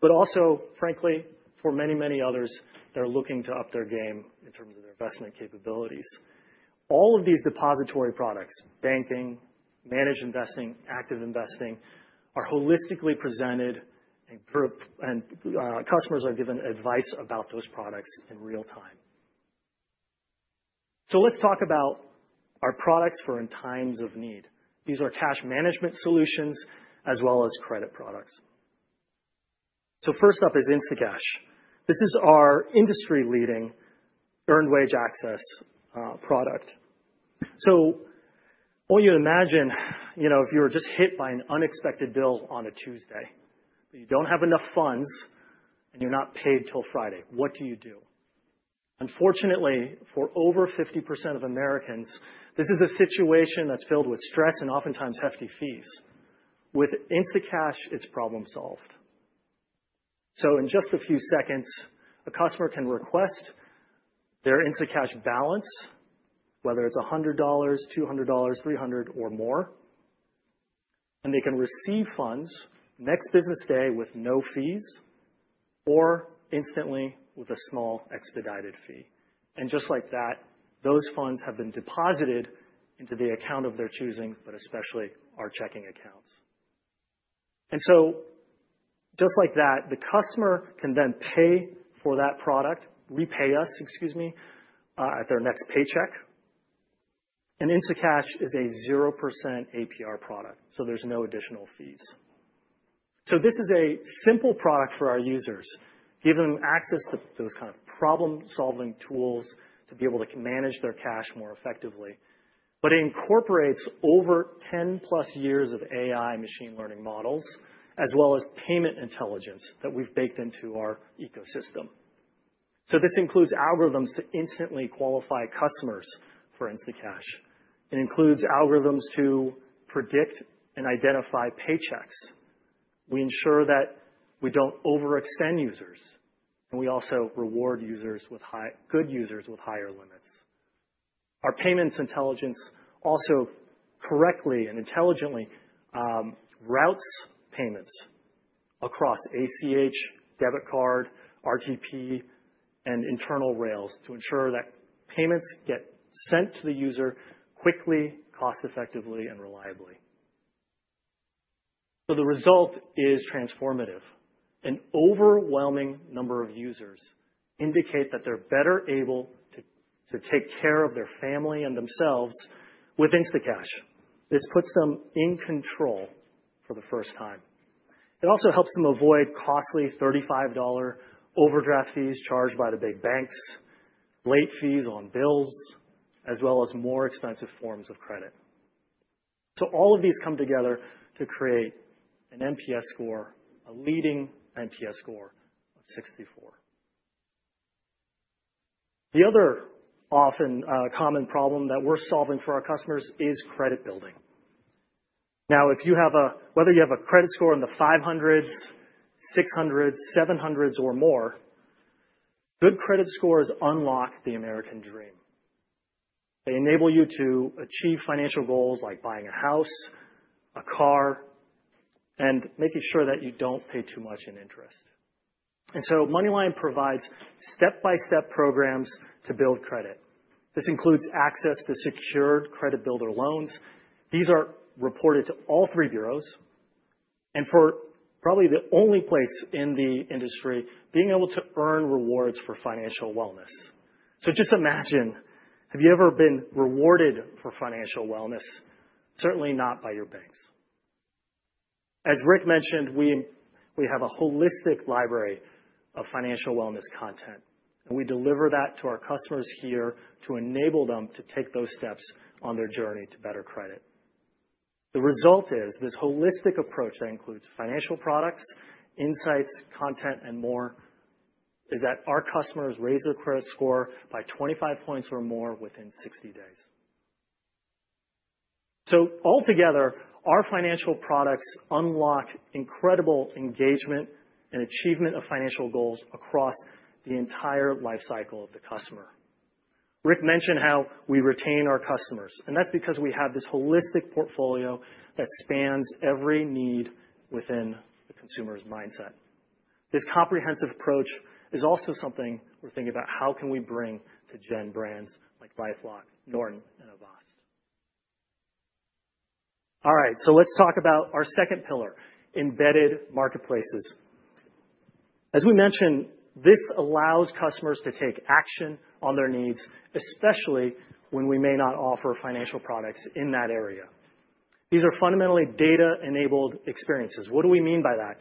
but also, frankly, for many, many others that are looking to up their game in terms of their investment capabilities. All of these depository products, banking, managed investing, active investing, are holistically presented and customers are given advice about those products in real time. So let's talk about our products for in times of need. These are cash management solutions as well as credit products. So first up is InstaCash. This is our industry leading earned wage access product. So I want you to imagine if you were just hit by an unexpected bill on a Tuesday, but you don't have enough funds and you're not paid until Friday. What do you do? Unfortunately, for over 50% of Americans, this is a situation that's filled with stress and oftentimes hefty fees. With Instacash, it's problem solved. So in just a few seconds, a customer can request their Instacash balance, whether it's $100 $200 $300 or more, and they can receive funds next business day with no fees or instantly with a small expedited fee. And just like that, those funds have been deposited into the account of their choosing, but especially our checking accounts. And so just like that, the customer can then pay for that product, repay us, excuse me, at their next paycheck. And Instacash is a 0% APR product, so there's no additional fees. So this is a simple product for our users, giving them access to those kind of problem solving tools to be able to manage their cash more effectively. But it incorporates over ten plus years of AI machine learning models as well as payment intelligence that we've baked into our ecosystem. So this includes algorithms to instantly qualify customers for Instacash. It includes algorithms to predict and identify paychecks. We ensure that we don't overextend users, and we also reward users with high good users with higher limits. Our payments intelligence also correctly and intelligently routes payments across ACH, debit card, RTP and internal rails to ensure that payments get sent to the user quickly, cost effectively and reliably. So the result is transformative. An overwhelming number of users indicate that they're better able to take care of their family and themselves with Instacash. This puts them in control for the first time. It also helps them avoid costly $35 overdraft fees charged by the big banks, late fees on bills as well as more expensive forms of credit. So all of these come together to create an NPS score, a leading NPS score of 64. The other often common problem that we're solving for our customers is credit building. Now if you have a whether you have a credit score in the 500s, 600s, 700s or more, good credit scores unlock the American dream. They enable you to achieve financial goals like buying a house, a car and making sure that you don't pay too much in interest. And so Moneyline provides step by step programs to build credit. This includes access to secured credit builder loans. These are reported to all three bureaus. And for probably the only place in the industry, being able to earn rewards for financial wellness. So just imagine, have you ever been rewarded for financial wellness? Certainly not by your banks. As Rick mentioned, we have a holistic library of financial wellness content, and we deliver that to our customers here to enable them to take those steps on their journey to better credit. The result is this holistic approach that includes financial products, insights, content and more is that our customers raise their credit score by 25 points or more within sixty days. So altogether, our financial products unlock incredible engagement and achievement of financial goals across the entire life cycle of the customer. Rick mentioned how we retain our customers, and that's because we have this holistic portfolio that spans every need within the consumer's mindset. This comprehensive approach is also something we're thinking about how can we bring to gen brands like LifeLock, Norton and Avast. All right. So let's talk about our second pillar, embedded marketplaces. As we mentioned, this allows customers to take action on their needs, especially when we may not offer financial products in that area. These are fundamentally data enabled experiences. What do we mean by that?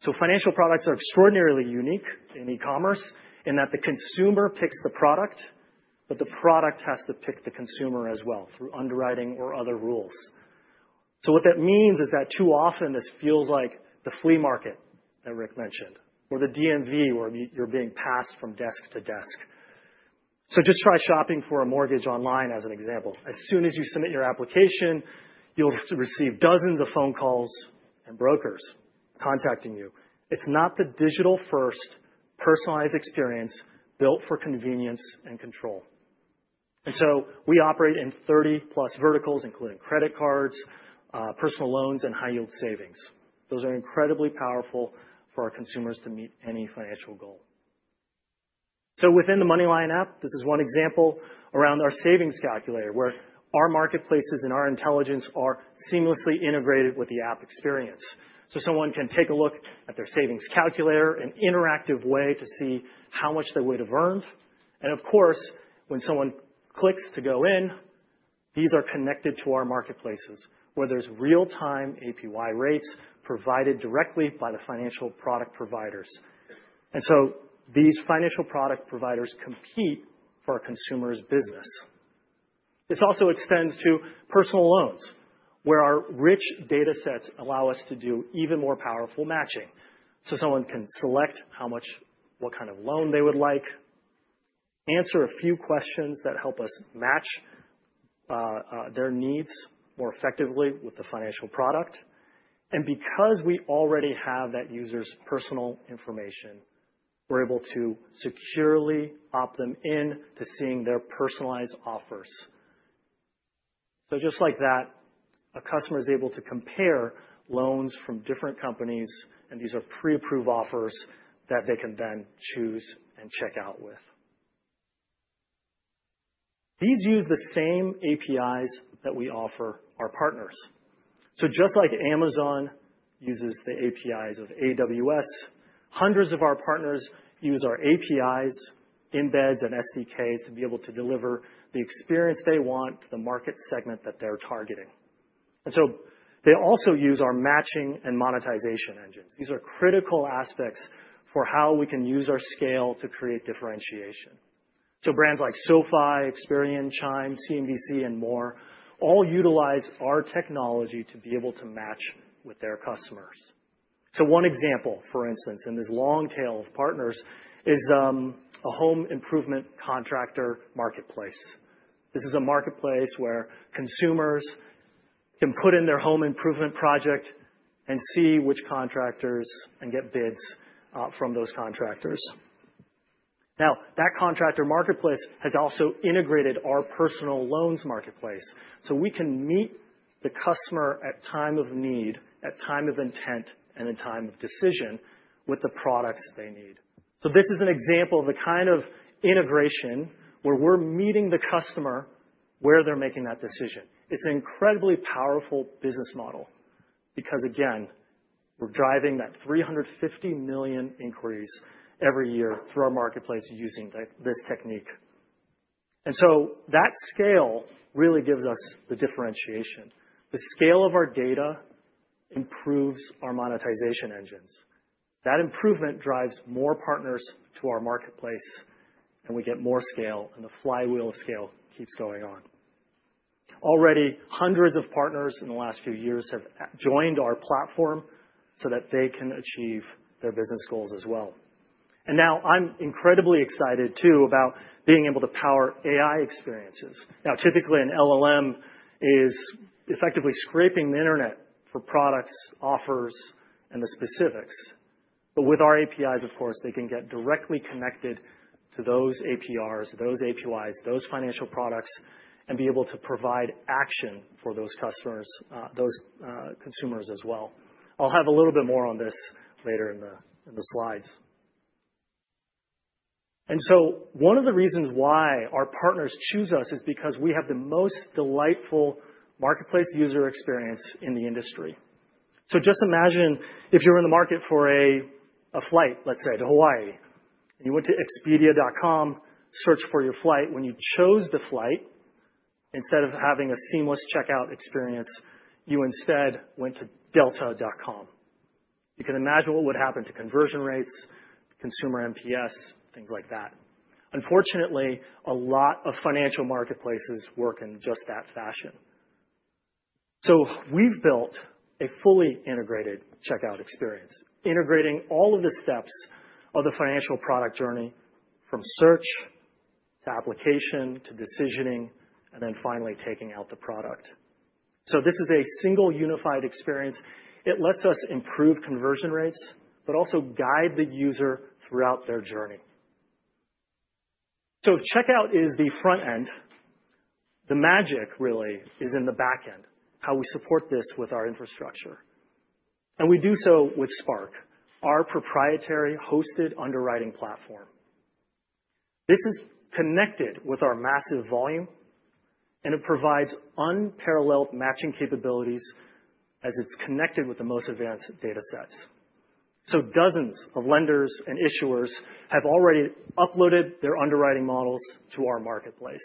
So financial products are extraordinarily unique in e commerce in that the consumer picks the product, but the product has to pick the consumer as well through underwriting or other rules. So what that means is that too often, this feels like the flea market that Rick mentioned or the DMV where you're being passed from desk to desk. So just try shopping for a mortgage online as an example. As soon as you submit your application, you'll receive dozens of phone calls and brokers contacting you. It's not the digital first personalized experience built for convenience and control. And so we operate in 30 plus verticals, including credit cards, personal loans and high yield savings. Those are incredibly powerful for our consumers to meet any financial goal. So within the Moneyline app, this is one example around our savings calculator, where our marketplaces and our intelligence are seamlessly integrated with the app experience. So someone can take a look at their savings calculator, an interactive way to see how much they would have earned. And of course, when someone clicks to go in, these are connected to our marketplaces, where there's real time APY rates provided directly by the financial product providers. And so these financial product providers compete for our consumers' business. This also extends to personal loans, where our rich data sets allow us to do even more powerful matching. So someone can select how much what kind of loan they would like, answer a few questions that help us match their needs more effectively with the financial product. And because we already have that user's personal information, we're able to securely opt them in to seeing their personalized offers. So just like that, a customer is able to compare loans from different companies, and these are preapproved offers that they can then choose and check out with. These use the same APIs that we offer our partners. So just like Amazon uses the APIs of AWS, hundreds of our partners use our APIs, embeds and SDKs to be able to deliver the experience they want to the market segment that they're targeting. And so they also use our matching and monetization engines. These are critical aspects for how we can use our scale to create differentiation. So brands like SoFi, Experian, Chime, CNBC and more all utilize our technology to be able to match with their customers. So one example, for instance, in this long tail of partners is a home improvement contractor marketplace. This is a marketplace where consumers can put in their home improvement project and see which contractors and get bids from those contractors. Now that contractor marketplace has also integrated our personal loans marketplace so we can meet the customer at time of need, at time of intent and at time of decision with the products they need. So this is an example of the kind of integration where we're meeting the customer where they're making that decision. It's an incredibly powerful business model because, again, we're driving that three fifty million inquiries every year through our marketplace using this technique. And so that scale really gives us the differentiation. The scale of our data improves our monetization engines. That improvement drives more partners to our marketplace, and we get more scale and the flywheel of scale keeps going on. Already, hundreds of partners in the last few years have joined our platform so that they can achieve their business goals as well. And now I'm incredibly excited, too, about being able to power AI experiences. Now typically, an LLM is effectively scraping the Internet for products, offers and the specifics. But with our APIs, of course, they can get directly connected to those APRs, those APIs, those financial products and be able to provide action for those customers those consumers as well. I'll have a little bit more on this later in the slides. And so one of the reasons why our partners choose us is because we have the most delightful marketplace user experience in the industry. So just imagine if you're in the market for a flight, let's say, to Hawaii, and you went to expedia.com, search for your flight. When you chose the flight, instead of having a seamless checkout experience, you instead went to delta.com. You can imagine what would happen to conversion rates, consumer NPS, things like that. Unfortunately, a lot of financial marketplaces work in just that fashion. So we've built a fully integrated checkout experience, integrating all of the steps of the financial product journey from search to application to decisioning and then finally taking out the product. So this is a single unified experience. It lets us improve conversion rates but also guide the user throughout their journey. So checkout is the front end. The magic really is in the back end, how we support this with our infrastructure. And we do so with Spark, our proprietary hosted underwriting platform. This is connected with our massive volume, and it provides unparalleled matching capabilities as it's connected with the most advanced data sets. So dozens of lenders and issuers have already uploaded their underwriting models to our marketplace.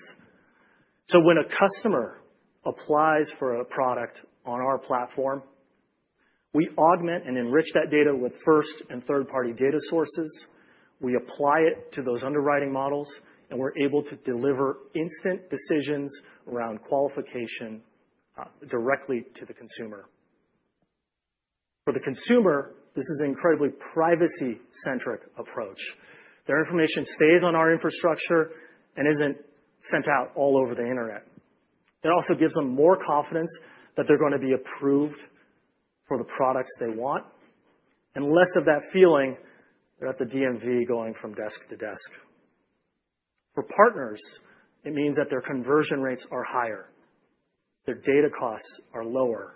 So when a customer applies for a product on our platform, we augment and enrich that data with first and third party data sources, we apply it to those underwriting models, and we're able to deliver instant decisions around qualification directly to the consumer. For the consumer, this is an incredibly privacy centric approach. Their information stays on our infrastructure and isn't sent out all over the Internet. It also gives them more confidence that they're going to be approved for the products they want and less of that feeling that the DMV going from desk to desk. For partners, it means that their conversion rates are higher, their data costs are lower,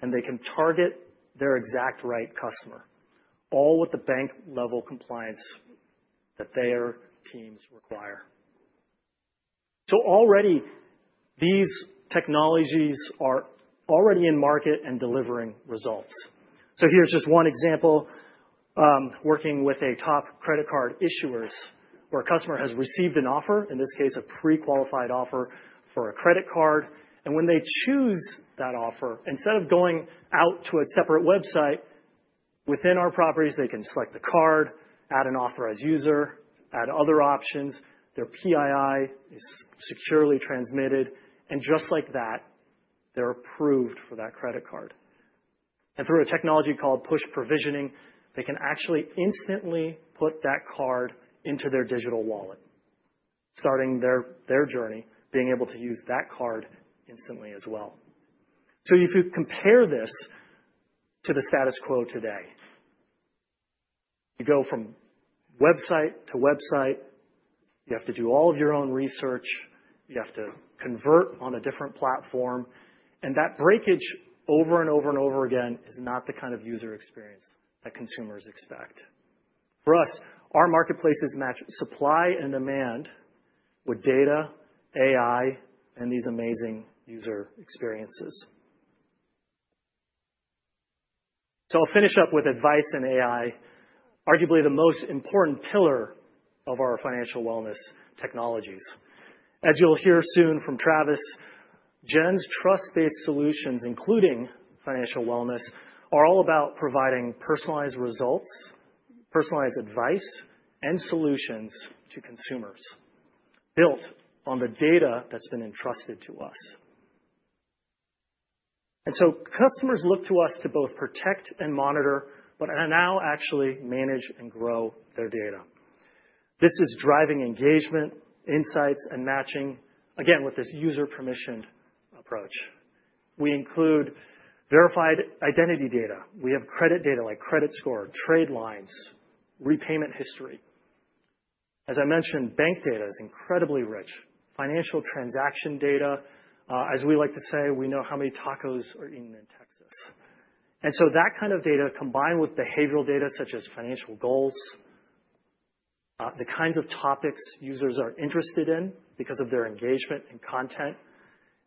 and they can target their exact right customer, all with the bank level compliance that their teams require. So already, these technologies are already in market and delivering results. So here's just one example, working with a top credit card issuers where a customer has received an offer, in this case, a prequalified offer for a credit card. And when they choose that offer, instead of going out to a separate website within our properties, they can select the card, add an authorized user, add other options, their PII is securely transmitted. And just like that, they're approved for that credit card. And through a technology called push provisioning, they can actually instantly put that card into their digital wallet, starting their journey, being able to use that card instantly as well. So if you compare this to the status quo today, you go from website to website, You have to do all of your own research. You have to convert on a different platform. And that breakage over and over and over again is not the kind of user experience that consumers expect. For us, our marketplaces match supply and demand with data, AI and these amazing user experiences. So I'll finish up with advice and AI, arguably the most important pillar of our financial wellness technologies. As you'll hear soon from Travis, Gen's trust based solutions, including financial wellness, are all about providing personalized results, personalized advice and solutions to consumers built on the data that's been entrusted to us. And so customers look to us to both protect and monitor, but now actually manage and grow their data. This is driving engagement, insights and matching, again, with this user permissioned approach. We include verified identity data. We have credit data like credit score, trade lines, repayment history. As I mentioned, bank data is incredibly rich. Financial transaction data, as we like to say, we know how many tacos are eaten in Texas. And so that kind of data, combined with behavioral data such as financial goals, the kinds of topics users are interested in because of their engagement and content.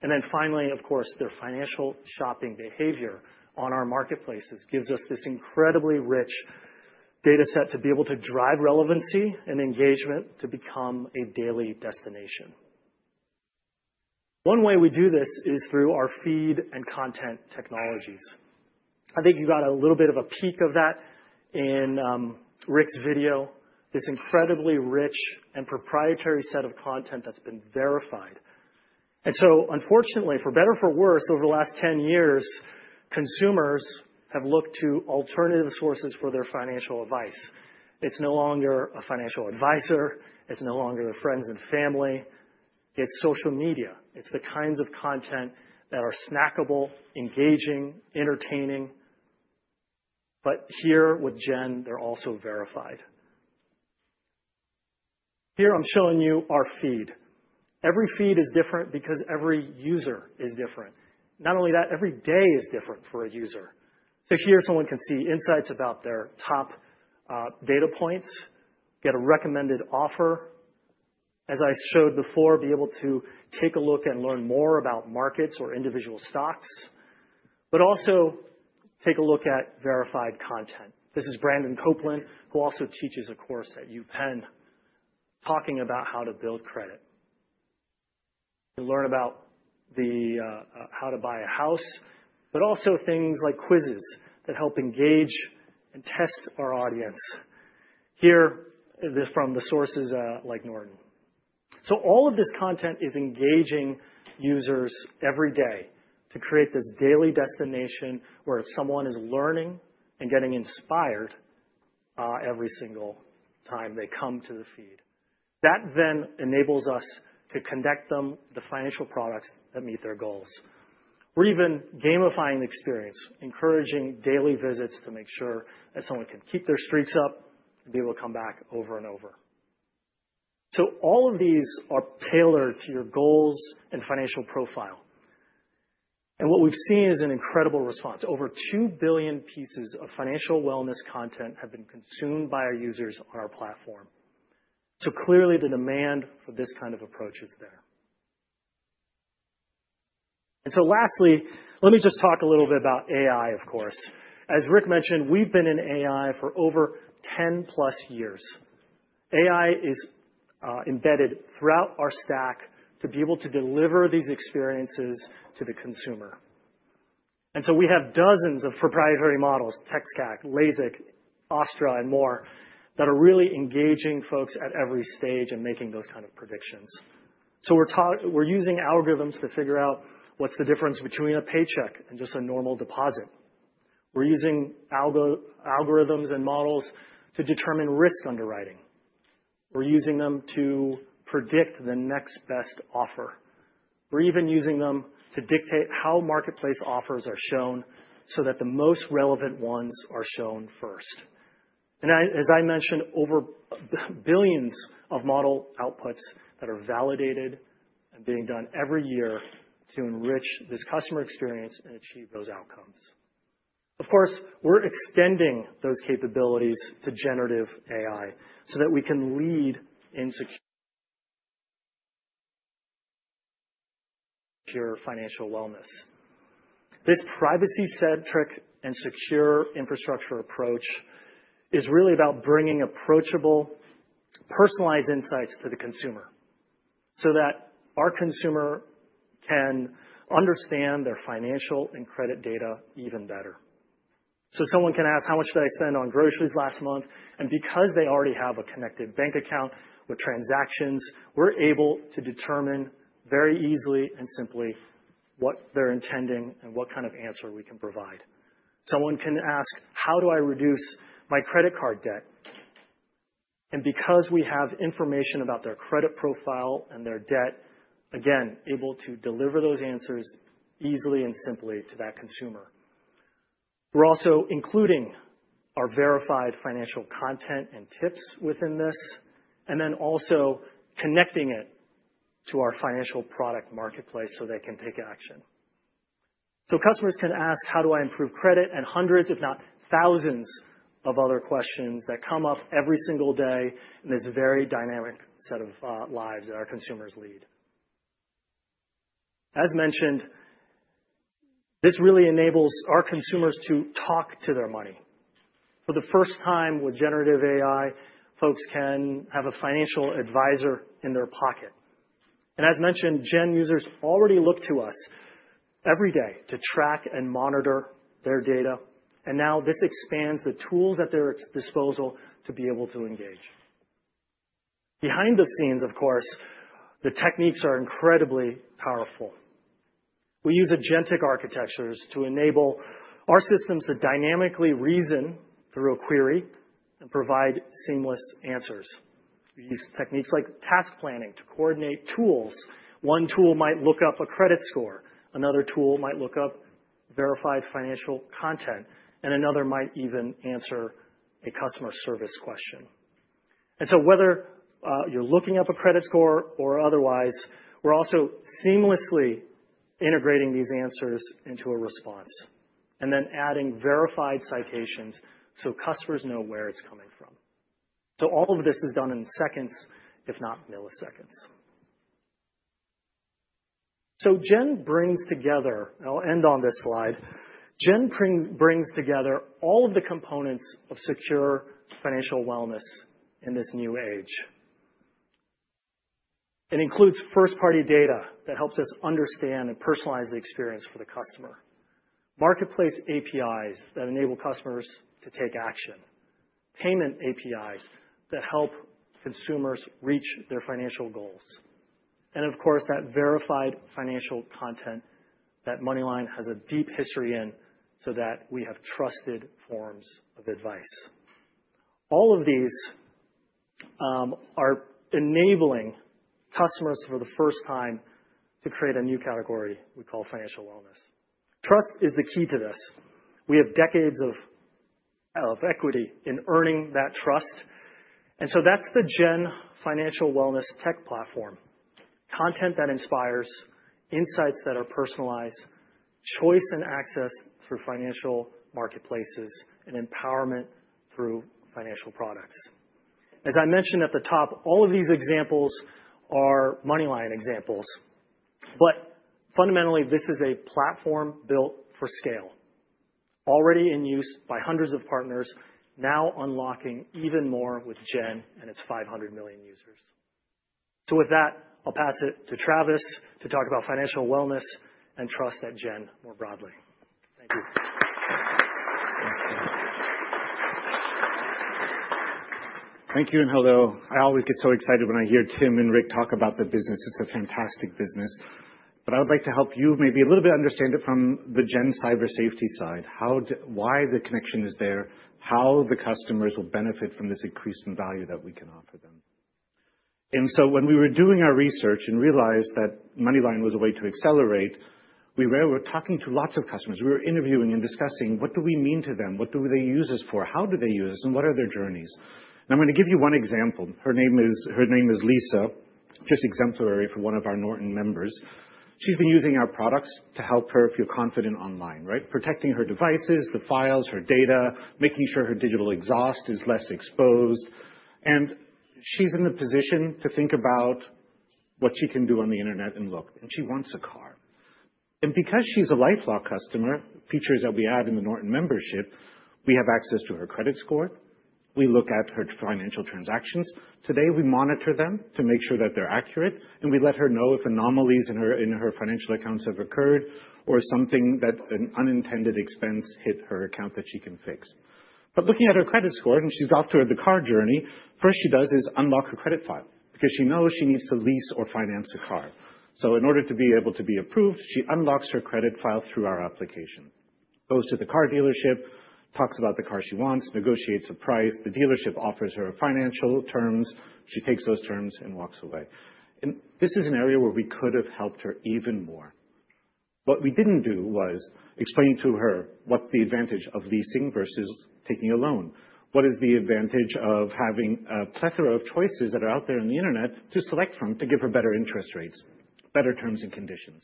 And then finally, of course, their financial shopping behavior on our marketplaces gives us this incredibly rich data set to be able to drive relevancy and engagement to become a daily destination. One way we do this is through our feed and content technologies. I think you got a little bit of a peek of that in Rick's video, this incredibly rich and proprietary set of content that's been verified. And so unfortunately, for better or for worse, over the last ten years, consumers have looked to alternative sources for their financial advice. It's no longer a financial adviser. It's no longer friends and family. It's social media. It's the kinds of content that are snackable, engaging, entertaining. But here, with Jen, they're also verified. Here, I'm showing you our feed. Every feed is different because every user is different. Not only that, every day is different for a user. So here, someone can see insights about their top data points, get a recommended offer, as I showed before, be able to take a look and learn more about markets or individual stocks but also take a look at verified content. This is Brandon Copeland, who also teaches a course at UPenn, talking about how to build credit. You learn about the how to buy a house, but also things like quizzes that help engage and test our audience. Here, this is from the sources like Norton. So all of this content is engaging users every day to create this daily destination where someone is learning and getting inspired every single time they come to the feed. That then enables us to connect them the financial products that meet their goals. We're even gamifying the experience, encouraging daily visits to make sure that someone can keep their streaks up and be able to come back over and over. So all of these are tailored to your goals and financial profile. And what we've seen is an incredible response. Over 2,000,000,000 pieces of financial wellness content have been consumed by our users on our platform. So clearly, the demand for this kind of approach is there. And so lastly, let me just talk a little bit about AI, of course. As Rick mentioned, we've been in AI for over ten plus years. AI is embedded throughout our stack to be able to deliver these experiences to the consumer. And so we have dozens of proprietary models, TxCAC, LASIK, Astra and more, that are really engaging folks at every stage and making those kind of predictions. So we're using algorithms to figure out what's the difference between a paycheck and just a normal deposit. We're using algorithms and models to determine risk underwriting. We're using them to predict the next best offer. We're even using them to dictate how marketplace offers are shown so that the most relevant ones are shown first. And as I mentioned, over billions of model outputs that are validated and being done every year to enrich this customer experience and achieve those outcomes. Of course, we're extending those capabilities to generative AI so that we can lead in secure financial wellness. This privacy centric and secure infrastructure approach is really about bringing approachable, personalized insights to the consumer so that our consumer can understand their financial and credit data even better. So someone can ask, how much did I spend on groceries last month? And because they already have a connected bank account with transactions, we're able to determine very easily and simply what they're intending and what kind of answer we can provide. Someone can ask, how do I reduce my credit card debt? And because we have information about their credit profile and their debt, again, able to deliver those answers easily and simply to that consumer. We're also including our verified financial content and tips within this and then also connecting it to our financial product marketplace so they can take action. So customers can ask how do I improve credit and hundreds, if not thousands, of other questions that come up every single day in this very dynamic set of lives that our consumers lead. As mentioned, this really enables our consumers to talk to their money. For the first time, with generative AI, folks can have a financial adviser in their pocket. And as mentioned, Gen users already look to us every day to track and monitor their data. And now this expands the tools at their disposal to be able to engage. Behind the scenes, of course, the techniques are incredibly powerful. We use agentic architectures to enable our systems to dynamically reason through a query and provide seamless answers. We use techniques like task planning to coordinate tools. One tool might look up a credit score, another tool might look up verified financial content and another might even answer a customer service question. And so whether you're looking up a credit score or otherwise, we're also seamlessly integrating these answers into a response and then adding verified citations so customers know where it's coming from. So all of this is done in seconds, if not milliseconds. So Jen brings together and I'll end on this slide. Jen brings together all of the components of secure financial wellness in this new age. It includes first party data that helps us understand and personalize the experience for the customer marketplace APIs that enable customers to take action payment APIs that help consumers reach their financial goals and of course, that verified financial content that Moneyline has a deep history in so that we have trusted forms of advice. All of these are enabling customers for the first time to create a new category we call financial wellness. Trust is the key to this. We have decades of equity in earning that trust. And so that's the Gen Financial Wellness tech platform, content that inspires, insights that are personalized, choice and access through financial marketplaces and empowerment through financial products. As I mentioned at the top, all of these examples are MoneyLion examples. But fundamentally, this is a platform built for scale, already in use by hundreds of partners, now unlocking even more with Gen and its 500,000,000 users. So with that, I'll pass it to Travis to talk about financial wellness and trust at Gen more broadly. Thank you and hello. I always get so excited when I hear Tim and Rick talk about the business. It's a fantastic business. But I would like to help you maybe a little bit understand it from the Gen Cyber Safety side, how why the connection is there, how the customers will benefit from this increase in value that we can offer them. And so when we were doing our research and realized that MoneyLion was a way to accelerate, we were talking to lots of customers. We were interviewing and discussing what do we mean to them, what do they use us for, how do they use us and what are their journeys. And I'm going to give you one example. Her name is Lisa, just exemplary for one of our Norton members. She's been using our products to help her feel confident online, right, protecting her devices, the files, her data, making sure her digital exhaust is less exposed. And she's in a position to think about what she can do on the Internet and look, and she wants a car. And because she's a LifeLock customer, features that we add in the Norton membership, we have access to her credit score. We look at her financial transactions. Today, we monitor them to make sure that they're accurate, and we let her know if anomalies in her financial accounts have occurred or something that an unintended expense hit her account that she can fix. But looking at her credit score and she's off to the car journey, first she does is unlock her credit file because she knows she needs to lease or finance a car. So in order to be able to be approved, she unlocks her credit file through our application. Goes to the car dealership, talks about the car she wants, negotiates a price, the dealership offers her financial terms, she takes those terms and walks away. And this is an area where we could have helped her even more. What we didn't do was explain to her what the advantage of leasing versus taking a loan. What is the advantage of having a plethora of choices that are out there in the Internet to select from to give her better interest rates, better terms and conditions.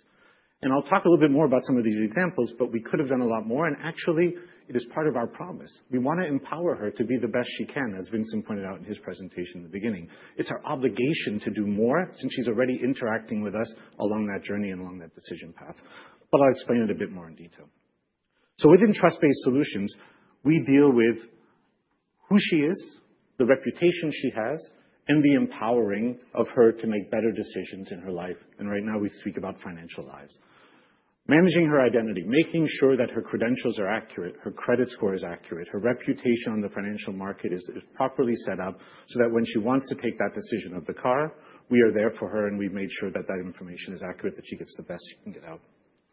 And I'll talk a little bit more about some of these examples, but we could have done a lot more. Actually, it is part of our promise. We want to empower her to be the best she can, as Vincent pointed out in his presentation at the beginning. It's our obligation to do more since she's already interacting with us along that journey and along that decision path. But I'll explain it a bit more in detail. So within trust based solutions, we deal with who she is, the reputation she has and the empowering of her to make better decisions in her life. And right now, we speak about financial lives. Managing her identity, making sure that her credentials are accurate, her credit score is accurate, her reputation on the financial market is properly set up so that when she wants to take that decision of the car, we are there for her and we've made sure that, that information is accurate, that she gets the best she can get out.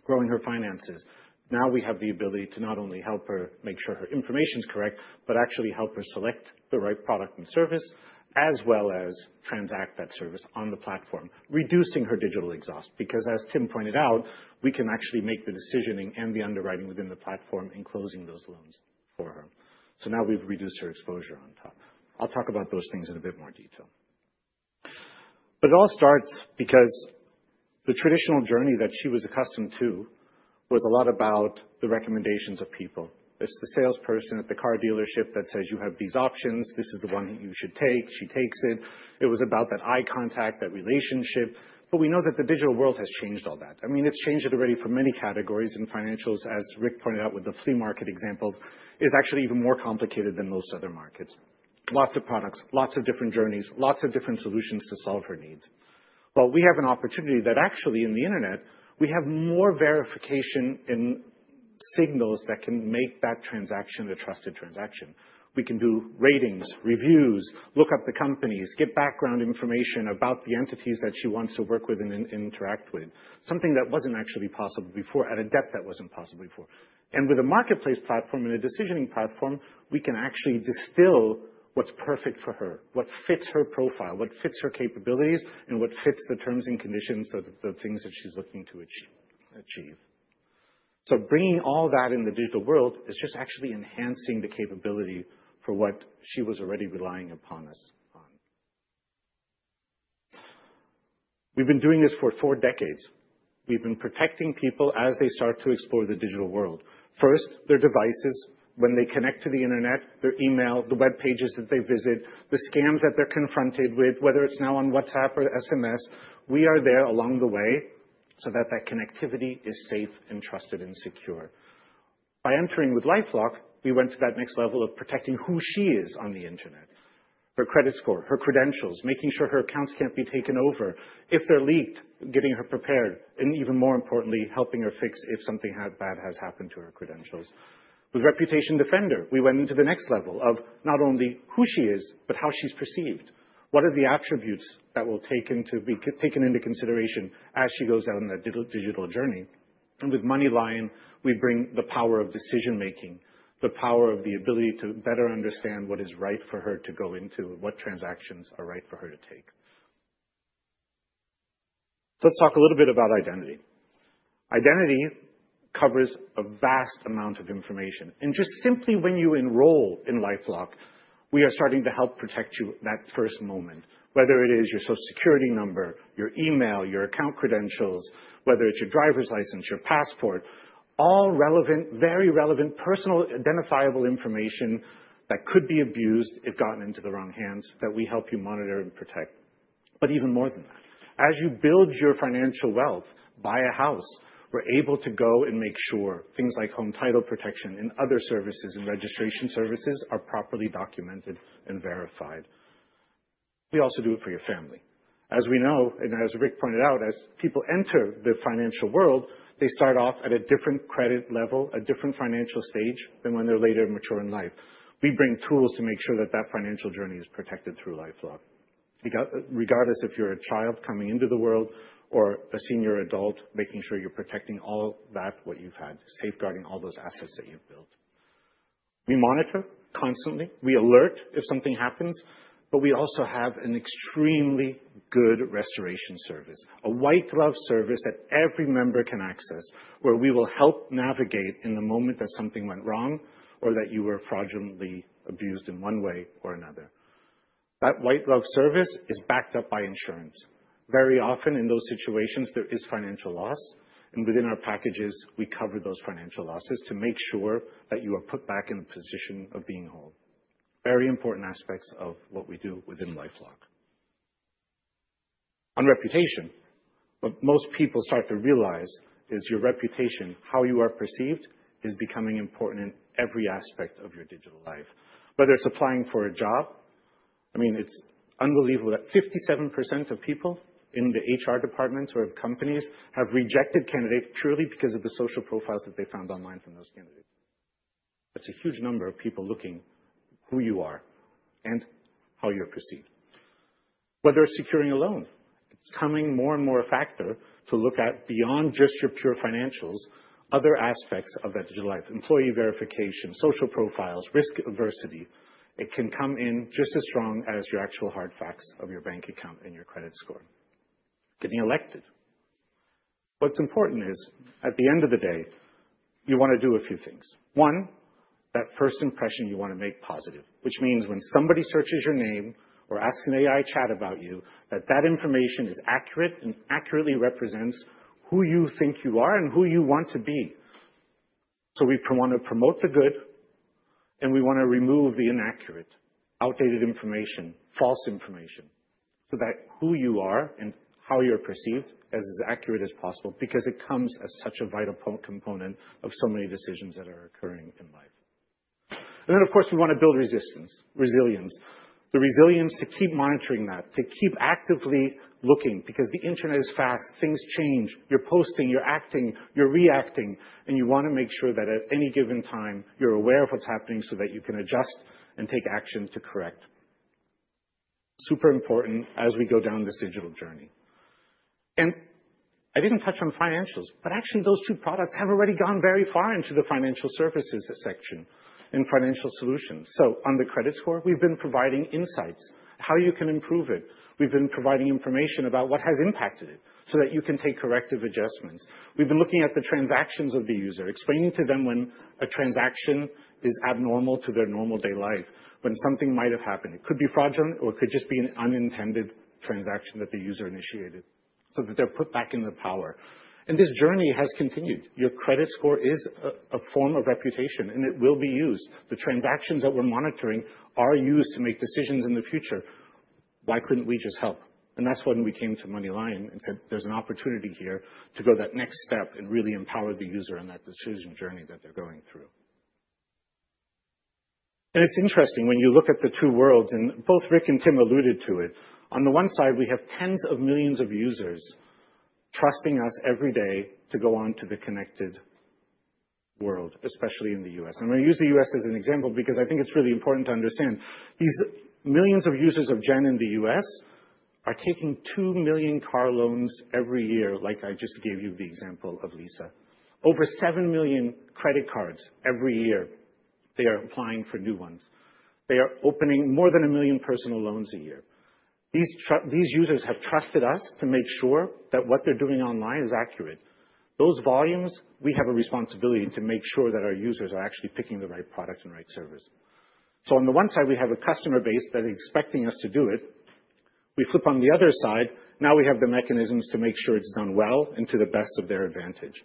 Growing her finances. Now we have the ability to not only help her make sure her information is correct, but actually help her select the right product and service as well as transact that service on the platform, reducing her digital exhaust. Because as Tim pointed out, we can actually make the decisioning and the underwriting within the platform in closing those loans for her. So now we've reduced her exposure on top. I'll talk about those things in a bit more detail. But it all starts because the traditional journey that she was accustomed to was a lot about the recommendations of people. It's the salesperson at the car dealership that says you have these options, this is the one that you should take, she takes it. It was about that eye contact, that relationship. But we know that the digital world has changed all that. I mean, it's changed it already for many categories and financials, as Rick pointed out with the flea market examples, is actually even more complicated than most other markets. Lots of products, lots of different journeys, lots of different solutions to solve her needs. But we have an opportunity that actually in the Internet, we have more verification in signals that can make that transaction a trusted transaction. We can do ratings, reviews, look up the companies, get background information about the entities that she wants to work with and interact with, something that wasn't actually possible before at a depth that wasn't possible before. And with a marketplace platform and a decisioning platform, we can actually distill what's perfect for her, what fits her profile, what fits her capabilities and what fits the terms and conditions of the things that she's looking to achieve. So bringing all that in the digital world is just actually enhancing the capability for what she was already relying upon us on. We've been doing this for four decades. We've been protecting people as they start to explore the digital world. First, their devices, when they connect to the Internet, their email, the web pages that they visit, the scams that they're confronted with, whether it's now on WhatsApp or SMS, we are there along the way so that that connectivity is safe and trusted and secure. By entering with LifeLock, we went to that next level of protecting who she is on the Internet, her credit score, her credentials, making sure her accounts can't be taken over if they're leaked, getting her prepared and even more importantly, helping her fix if something bad has happened to her credentials. With Reputation Defender, we went into the next level of not only who she is, but how she's perceived. What are the attributes that will take into consideration as she goes down the digital journey? And with MoneyLion, we bring the power of decision making, the power of the ability to better understand what is right for her to go into, what transactions are right for her to take. So let's talk a little bit about identity. Identity covers a vast amount of information. And just simply when you enroll in LifeLock, we are starting to help protect you that first moment, whether it is your social security number, your email, your account credentials, whether it's your driver's license, your passport, all relevant, very relevant personal identifiable information that could be abused if gotten into the wrong hands that we help you monitor and protect. But even more than that, as you build your financial wealth, buy a house, we're able to go and make sure things like home title protection and other services and registration services are properly documented and verified. We also do it for your family. As we know and as Rick pointed out, as people enter the financial world, they start off at a different credit level, a different financial stage than when they're later mature in life. We bring tools to make sure that, that financial journey is protected through LifeLock. Regardless if you're a child coming into the world or a senior adult, making sure you're protecting all that what you've had, safeguarding all those assets that you've built. We monitor constantly. We alert if something happens, but we also have an extremely good restoration service, a white glove service that every member can access, where we will help navigate in the moment that something went wrong or that you were fraudulently abused in one way or another. That white glove service is backed up by insurance. Very often in those situations, there is financial loss. And within our packages, we cover those financial losses to make sure that you are put back in a position of being hold. Very important aspects of what we do within LifeLock. On reputation, what most people start to realize is your reputation, how you are perceived, is becoming important in every aspect of your digital life. Whether it's applying for a job, I mean, it's unbelievable that 57% of people in the HR departments or companies have rejected candidates purely because of the social profiles that they found online from those candidates. That's a huge number of people looking who you are and how you're perceived. Whether it's securing a loan, it's coming more and more a factor to look at beyond just your pure financials, other aspects of that digital life, employee verification, social profiles, risk adversity, it can come in just as strong as your actual hard facts of your bank account and your credit score. Getting elected. What's important is, at the end of the day, you want to do a few things. One, that first impression you want to make positive, which means when somebody searches your name or asks an AI chat about you, that that information is accurate and accurately represents who you think you are and who you want to be. So we want to promote the good and we want to remove the inaccurate, outdated information, false information, so that who you are and how you're perceived as accurate as possible because it comes as such a vital component of so many decisions that are occurring in life. And then of course, we want to build resistance, resilience. The resilience to keep monitoring that, to keep actively looking because the Internet is fast, things change, you're posting, you're acting, you're reacting and you want to make sure that at any given time, you're aware of what's happening so that you can adjust and take action to correct. Super important as we go down this digital journey. And I didn't touch on financials, but actually those two products have already gone very far into the financial services section in financial solutions. So on the credit score, we've been providing insights, how you can improve it. We've been providing information about what has impacted it so that you can take corrective adjustments. We've been looking at the transactions of the user, explaining to them when a transaction is abnormal to their normal day life, when something might have happened. It could be fraudulent or it could just be an unintended transaction that the user initiated so that they're put back in the power. And this journey has continued. Your credit score is a form of reputation, and it will be used. The transactions that we're monitoring are used to make decisions in the future. Why couldn't we just help? And that's when we came to MoneyLion and said there's an opportunity here to go that next step and really empower the user in that decision journey that they're going through. And it's interesting when you look at the two worlds, and both Rick and Tim alluded to it. On the one side, we have tens of millions of users trusting us every day to go on to the connected world, especially in The U. S. And we use The U. S. As an example because I think it's really important to understand. These millions of users of Gen in The U. S. Are taking 2,000,000 car loans every year, like I just gave you the example of Lisa. Over 7,000,000 credit cards every year, they are applying for new ones. They are opening more than 1,000,000 personal loans a year. These users have trusted us to make sure that what they're doing online is accurate. Those volumes, we have a responsibility to make sure that our users are actually picking the right products and right service. So on the one side, we have a customer base that is expecting us to do it. We flip on the other side, now we have the mechanisms to make sure it's done well and to the best of their advantage,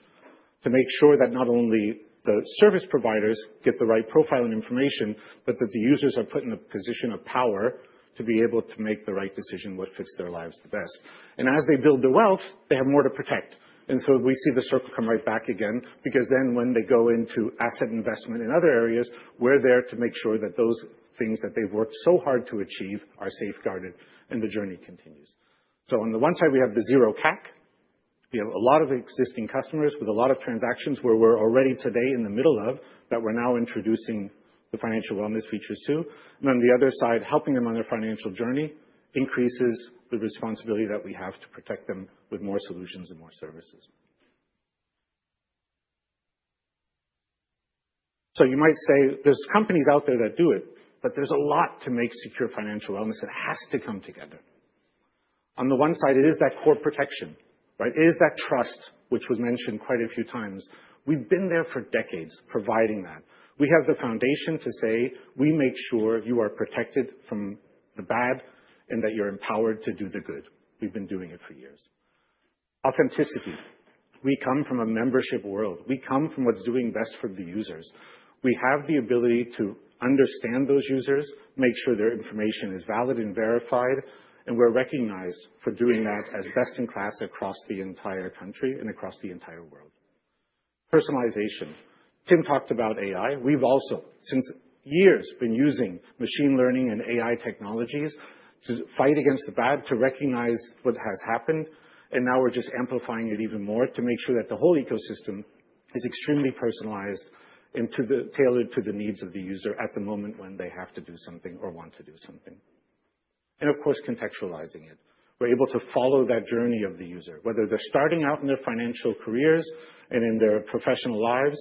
To make sure that not only the service providers get the right profile and information, but that the users are put in a position of power to be able to make the right decision what fits their lives the best. And as they build the wealth, they have more to protect. And so we see the circle come right back again because then when they go into asset investment in other areas, we're there to make sure that those things that they've worked so hard to achieve are safeguarded and the journey continues. So on the one side, we have the zero CAC. We have a lot of existing customers with a lot of transactions where we're already today in the middle of that we're now introducing the financial wellness features to. And on the other side, helping them on their financial journey increases the responsibility that we have to protect them with more solutions and more services. So you might say there's companies out there that do it, but there's a lot to make secure financial wellness that has to come together. On the one side, it is that core protection, right? It is that trust, which was mentioned quite a few times. We've been there for decades providing that. We have the foundation to say, we make sure you are protected from the bad and that you're empowered to do the good. We've been doing it for years. Authenticity, we come from a membership world. We come from what's doing best for the users. We have the ability to understand those users, make sure their information is valid and verified and we're recognized for doing that as best in class across the entire country and across the entire world. Personalization. Tim talked about AI. We've also, since years, been using machine learning and AI technologies to fight against the bad, to recognize what has happened. And now we're just amplifying it even more to make sure that the whole ecosystem is extremely personalized and tailored to the needs of the user at the moment when they have to do something or want to do something. And of course, contextualizing it. We're able to follow that journey of the user, whether they're starting out in their financial careers and in their professional lives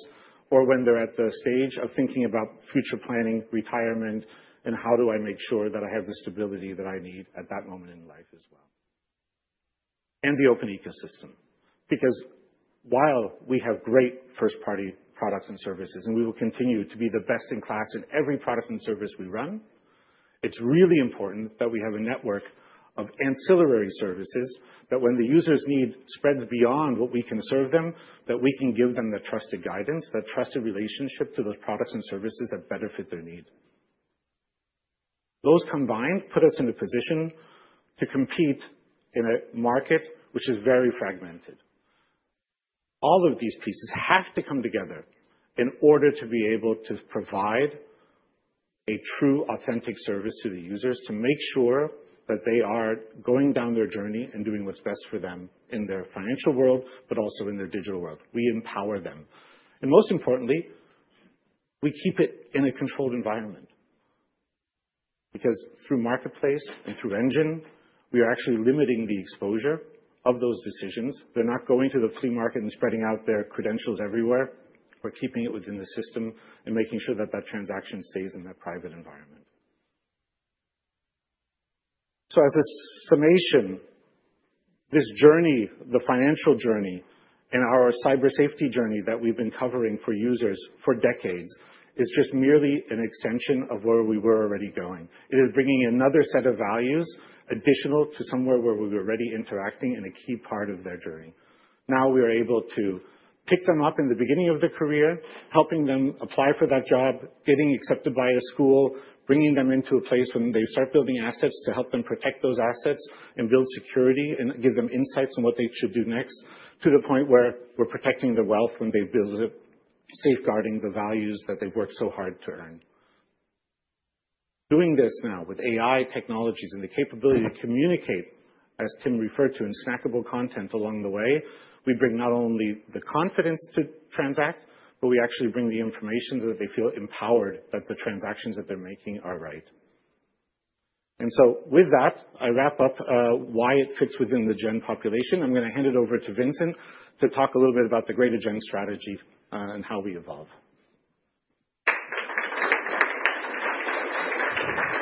or when they're at the stage of thinking about future planning, retirement and how do I make sure that I have the stability that I need at that moment in life as well. And the open ecosystem, because while we have great first party products and services and we will continue to be the best in class in every product and service we run, It's really important that we have a network of ancillary services that when the users need spreads beyond what we can serve them, that we can give them the trusted guidance, the trusted relationship to those products and services that better fit their need. Those combined put us in a position to compete in a market which is very fragmented. All of these pieces have to come together in order to be able to provide a true authentic service to the users to make sure that they are going down their journey and doing what's best for them in their financial world, but also in their digital world. We empower them. And most importantly, we keep it in a controlled environment because through marketplace and through engine, we are actually limiting the exposure of those decisions. They're not going to the flea market and spreading out their credentials everywhere. We're keeping it within the system and making sure that, that transaction stays in that private environment. So as a summation, this journey, the financial journey and our cyber safety journey that we've been covering for users for decades is just merely an extension of where we were already going. It is bringing another set of values additional to somewhere where we were already interacting in a key part of their journey. Now we are able to pick them up in the beginning of their career, helping them apply for that job, getting accepted by a school, bringing them into a place when they start building assets to help them protect those assets and build security and give them insights on what they should do next to the point where we're protecting the wealth when they build it, safeguarding the values that they work so hard to earn. Doing this now with AI technologies and the capability to communicate, as Tim referred to, in snackable content along the way, we bring not only the confidence to transact, but we actually bring the information that they feel empowered that the transactions that they're making are right. And so with that, I wrap up why it fits within the Gen population. I'm going to hand it over to Vincent to talk a little bit about the greater Gen strategy and how we evolve. Understand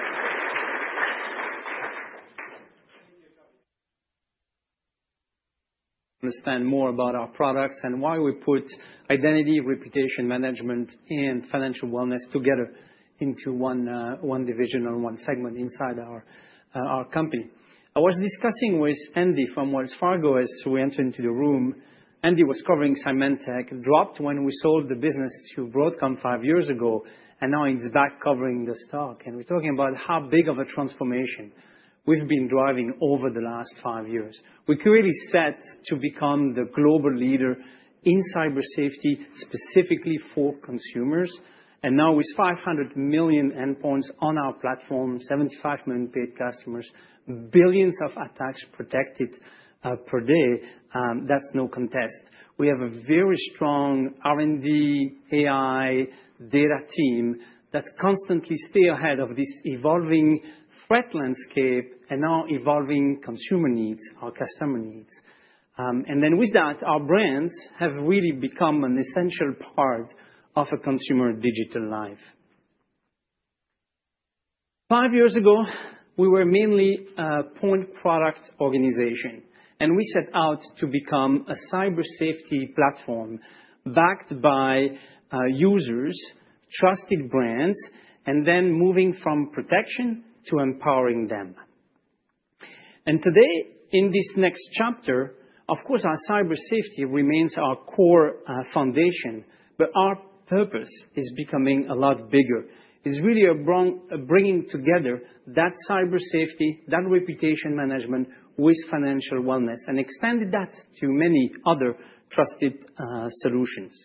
more about our products and why we put identity, reputation management and financial wellness together into one division or one segment inside our company. I was discussing with Andy from Wells Fargo as we enter into the room. Andy was covering Symantec, dropped when we sold the business to Broadcom five years ago, and now it's back covering the stock. And we're talking about how big of a transformation we've been driving over the last five years. We're clearly set to become the global leader in cyber safety, specifically for consumers. And now with 500,000,000 endpoints on our platform, 75,000,000 paid customers, billions of attacks protected per day, that's no contest. We have a very strong R and D, AI, data team that constantly stay ahead of this evolving threat landscape and our evolving consumer needs, our customer needs. And then with that, our brands have really become an essential part of a consumer digital life. Five years ago, we were mainly a point product organization, and we set out to become a cyber safety platform backed by users, trusted brands and then moving from protection to empowering them. And today, in this next chapter, of course, our cyber safety remains our core foundation, but our purpose is becoming a lot bigger. It's really bringing together that cyber safety, that reputation management with financial wellness and expanded that to many other trusted solutions.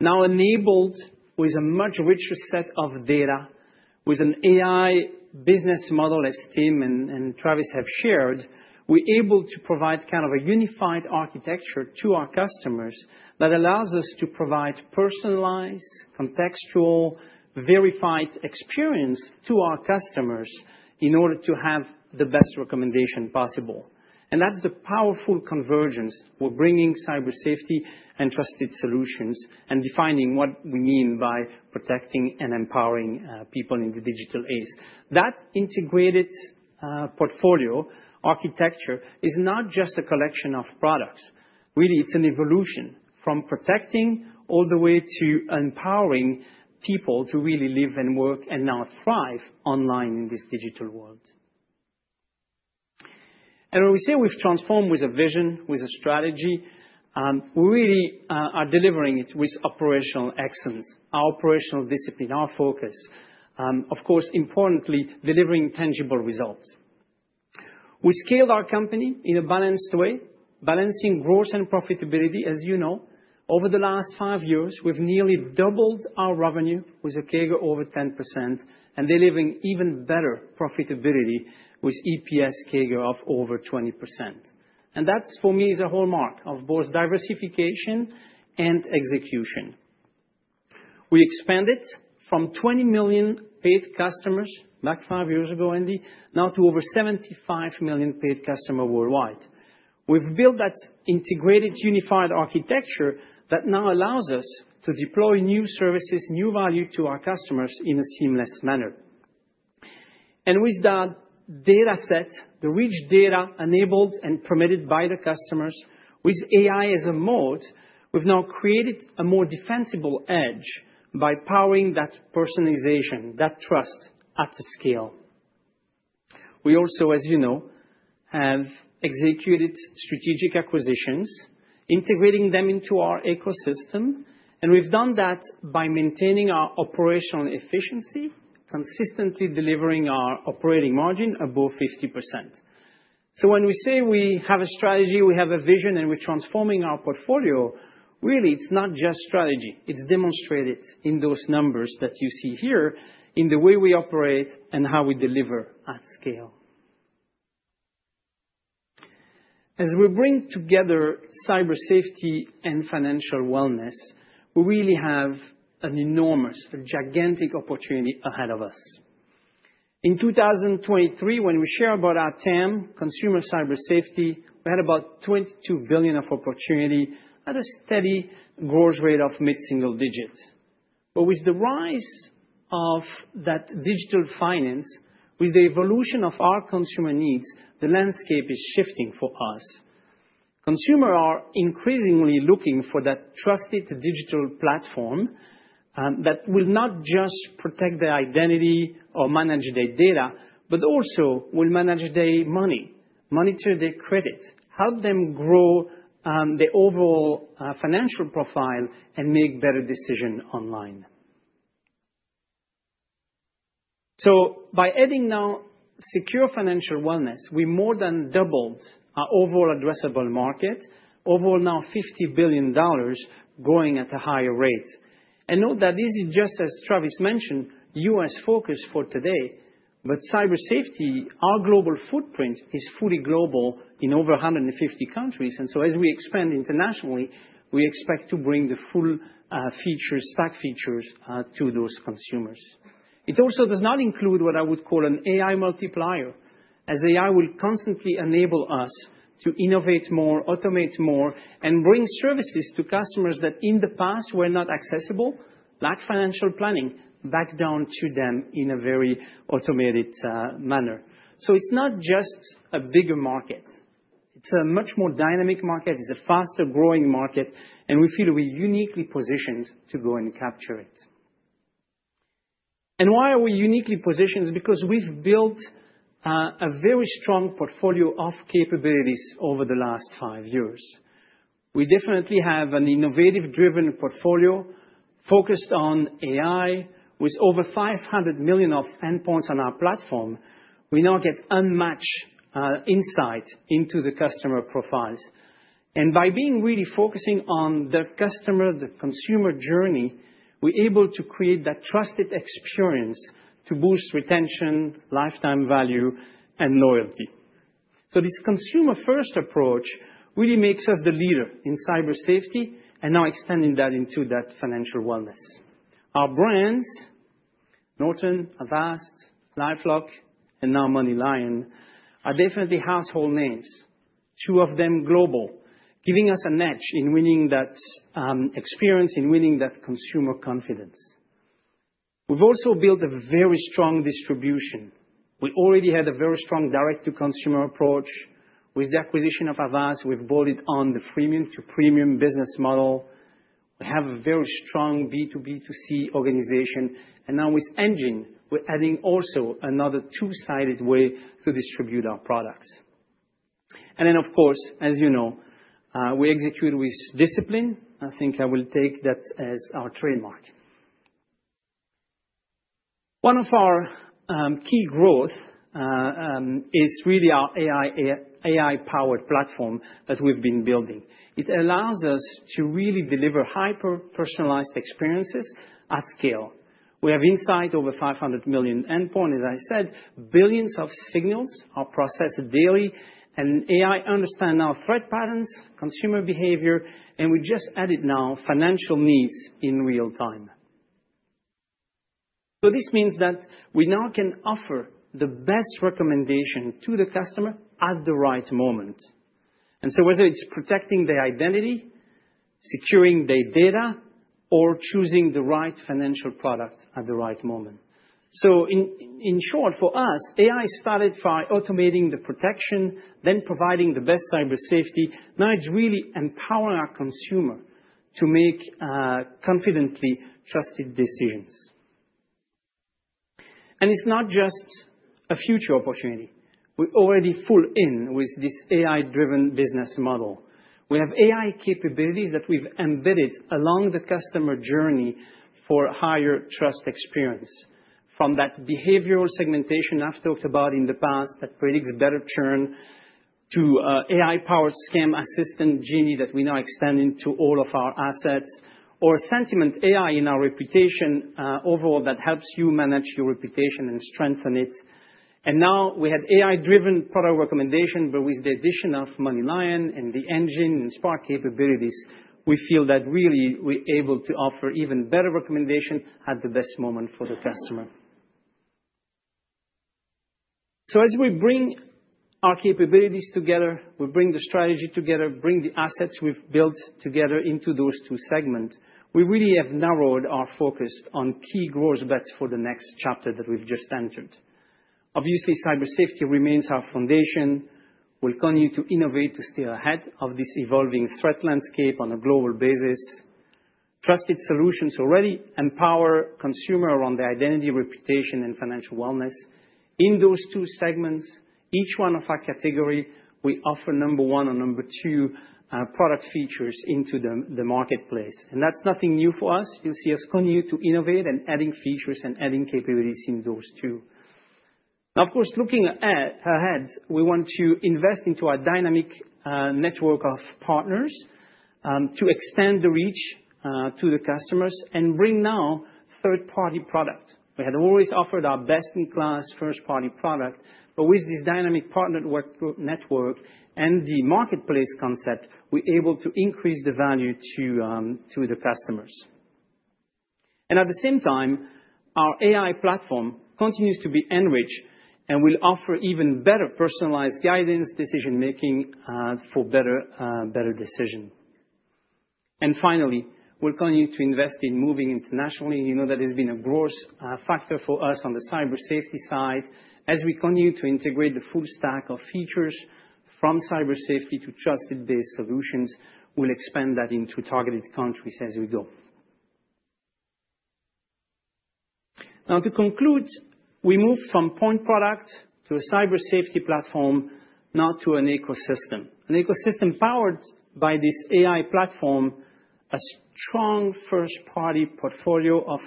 Now enabled with a much richer set of data with an AI business model, as Tim and Travis have shared, we're able to provide kind of a unified architecture to our customers that allows us to provide personalized, contextual, verified experience to our customers in order to have the best recommendation possible. And that's the powerful convergence we're bringing cyber safety and trusted solutions and defining what we mean by protecting and empowering people in the digital age. That integrated portfolio architecture is not just a collection of products. Really, it's an evolution from protecting all the way to empowering people to really live and work and now thrive online in this digital world. And when we say we've transformed with a vision, with a strategy, we really are delivering it with operational excellence, our operational discipline, our focus, of course, importantly, delivering tangible results. We scaled our company in a balanced way, balancing growth and profitability. As you know, over the last five years, we've nearly doubled our revenue with a CAGR over 10% and delivering even better profitability with EPS CAGR of over 20%. And that's, for me, is a hallmark of both diversification and execution. We expanded from 20,000,000 paid customers, back five years ago, Andy, now to over 75,000,000 paid customer worldwide. We've built that integrated unified architecture that now allows us to deploy new services, new value to our customers in a seamless manner. And with that data set, the rich data enabled and permitted by the customers with AI as a mode, we've now created a more defensible edge by powering that personalization, that trust at scale. We also, as you know, have executed strategic acquisitions, integrating them into our ecosystem, and we've done that by maintaining our operational efficiency, consistently delivering our operating margin above 50%. So when we say we have a strategy, we have a vision and we're transforming our portfolio, really, it's not just strategy. It's demonstrated in those numbers that you see here in the way we operate and how we deliver at scale. As we bring together cyber safety and financial wellness, we really have an enormous, a gigantic opportunity ahead of us. In 2023, when we share about our TAM, Consumer Cyber Safety, we had about 22,000,000,000 of opportunity at a steady growth rate of mid single digits. But with the rise of that digital finance, with the evolution of our consumer needs, the landscape is shifting for us. Consumers are increasingly looking for that trusted digital platform that will not just protect their identity or manage their data, but also will manage their money, monitor their credit, help them grow the overall financial profile and make better decision online. So by adding now secure financial wellness, we more than doubled our overall addressable market, overall now $50,000,000,000 growing at a higher rate. And note that this is just, as Travis mentioned, U. S. Focus for today. But cyber safety, our global footprint is fully global in over 150 countries. And so as we expand internationally, we expect to bring the full features, stack features to those consumers. It also does not include what I would call an AI multiplier as AI will constantly enable us to innovate more, automate more and bring services to customers that in the past were not accessible, lack financial planning, back down to them in a very automated manner. So it's not just a bigger market. It's a much more dynamic market. It's a faster growing market, and we feel that we're uniquely positioned to go and capture it. And why are we uniquely positioned? Because we've built a very strong portfolio of capabilities over the last five years. We definitely have an innovative driven portfolio focused on AI. With over 500,000,000 of endpoints on our platform, we now get unmatched insight into the customer profiles. And by being really focusing on the customer, the consumer journey, we're able to create that trusted experience to boost retention, lifetime value and loyalty. So this consumer first approach really makes us the leader in cyber safety and now extending that into that financial wellness. Our brands, Norton, Avast, LifeLock and now MoneyLion are definitely household names, two of them global, giving us a match in winning that experience, in winning that consumer confidence. We've also built a very strong distribution. We already had a very strong direct to consumer approach. With the acquisition of Havas, we've bought it on the premium to premium business model. We have a very strong B2B2C organization. And now with ENGINE, we're adding also another two sided way to distribute our products. And then of course, as you know, we execute with discipline. I think I will take that as our trademark. One of our key growth is really our AI powered platform that we've been building. It allows us to really deliver hyper personalized experiences at scale. We have insight over 500,000,000 endpoint, as I said, billions of signals are processed daily and AI understand our threat patterns, consumer behavior, and we just added now financial needs in real time. So this means that we now can offer the best recommendation to the customer at the right moment. And so whether it's protecting their identity, securing their data or choosing the right financial product at the right moment. So in short, for us, AI started by automating the protection, then providing the best cyber safety. Now it's really empowering our consumer to make confidently trusted decisions. And it's not just a future opportunity. We're already full in with this AI driven business model. We have AI capabilities that we've embedded along the customer journey for higher trust experience. From that behavioral segmentation I've talked about in the past that predicts better churn to AI powered scam assistant Genie that we now extend into all of our assets or sentiment AI in our reputation overall that helps you manage your reputation and strengthen it. And now we have AI driven product recommendation, but with the addition of MoneyLion and the engine and Spark capabilities, we feel that really we're able to offer even better recommendation at the best moment for the customer. So as we bring our capabilities together, we bring the strategy together, bring the assets we've built together into those two segments, we really have narrowed our focus on key growth bets for the next chapter that we've just entered. Obviously, cyber safety remains our foundation. We'll continue to innovate to stay ahead of this evolving threat landscape on a global basis. Trusted solutions already empower consumer around their identity, reputation and financial wellness. In those two segments, each one of our category, we offer number one or number two product features into the marketplace. And that's nothing new for us. You'll see us continue to innovate and adding features and adding capabilities in those two. Of course, looking ahead, we want to invest into our dynamic network of partners to extend the reach to the customers and bring now third party product. We had always offered our best in class first party product. But with this dynamic partnered network and the marketplace concept, we're able to increase the value to the customers. And at the same time, our AI platform continues to be enriched and will offer even better personalized guidance decision making for better decision. And finally, we'll continue to invest in moving internationally. You know that has been a growth factor for us on the cyber safety side. As we continue to integrate the full stack of features from cyber safety to trusted based solutions, we'll expand that into targeted countries as we go. Now to conclude, we moved from point product to a cyber safety platform now to an ecosystem. An ecosystem powered by this AI platform, a strong first party portfolio of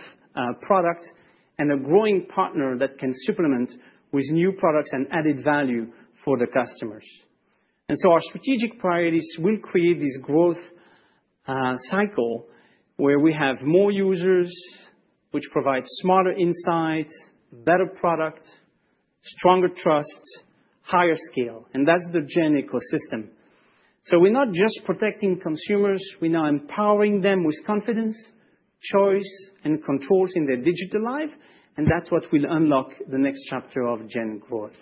products and a growing partner that can supplement with new products and added value for the customers. And so our strategic priorities will create this growth cycle where we have more users, which provide smarter insights, better product, stronger trust, higher scale, and that's the Gen ecosystem. So we're not just protecting consumers, we're now empowering them with confidence, choice and controls in their digital life, and that's what will unlock the next chapter of Gen growth.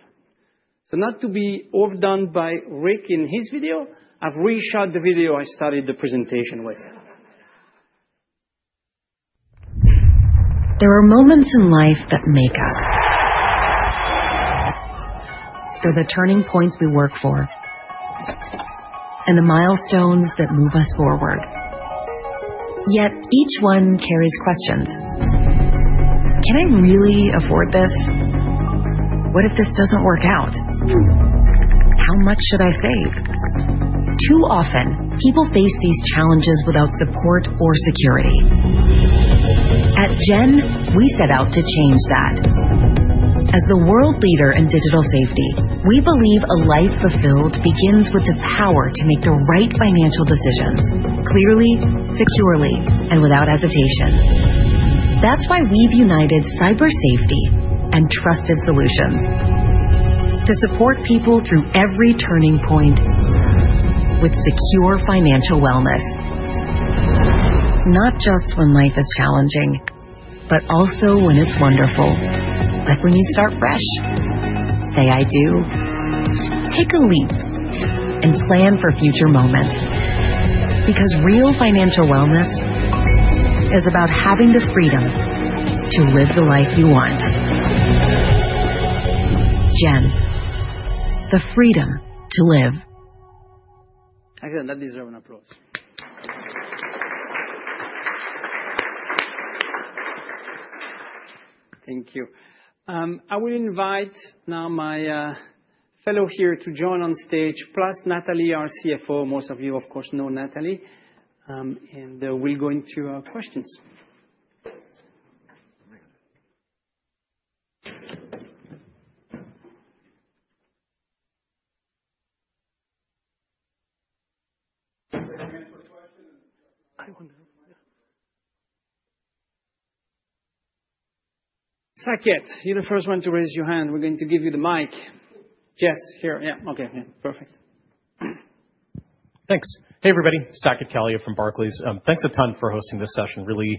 So not to be overdone by Rick in his video, I've reshot the video I started the presentation able to our We're deliver deliver able make to we're but also when it's wonderful, like when you start fresh. Say I do. Take a leap and plan for future moments because real financial wellness is about having the freedom to live the life you want. GEM, the freedom to live. Thank you. I will invite now my fellow here to join on stage, plus Natalie, our CFO. Most of you, of course, know Natalie. And we'll go into questions. Saket, you're the first one to raise your hand. We're going to give you the mic. Yes, here. Yes. Okay. Perfect. Thanks. Hey, everybody. Saket Kalia from Barclays. Thanks a ton for hosting this session. Really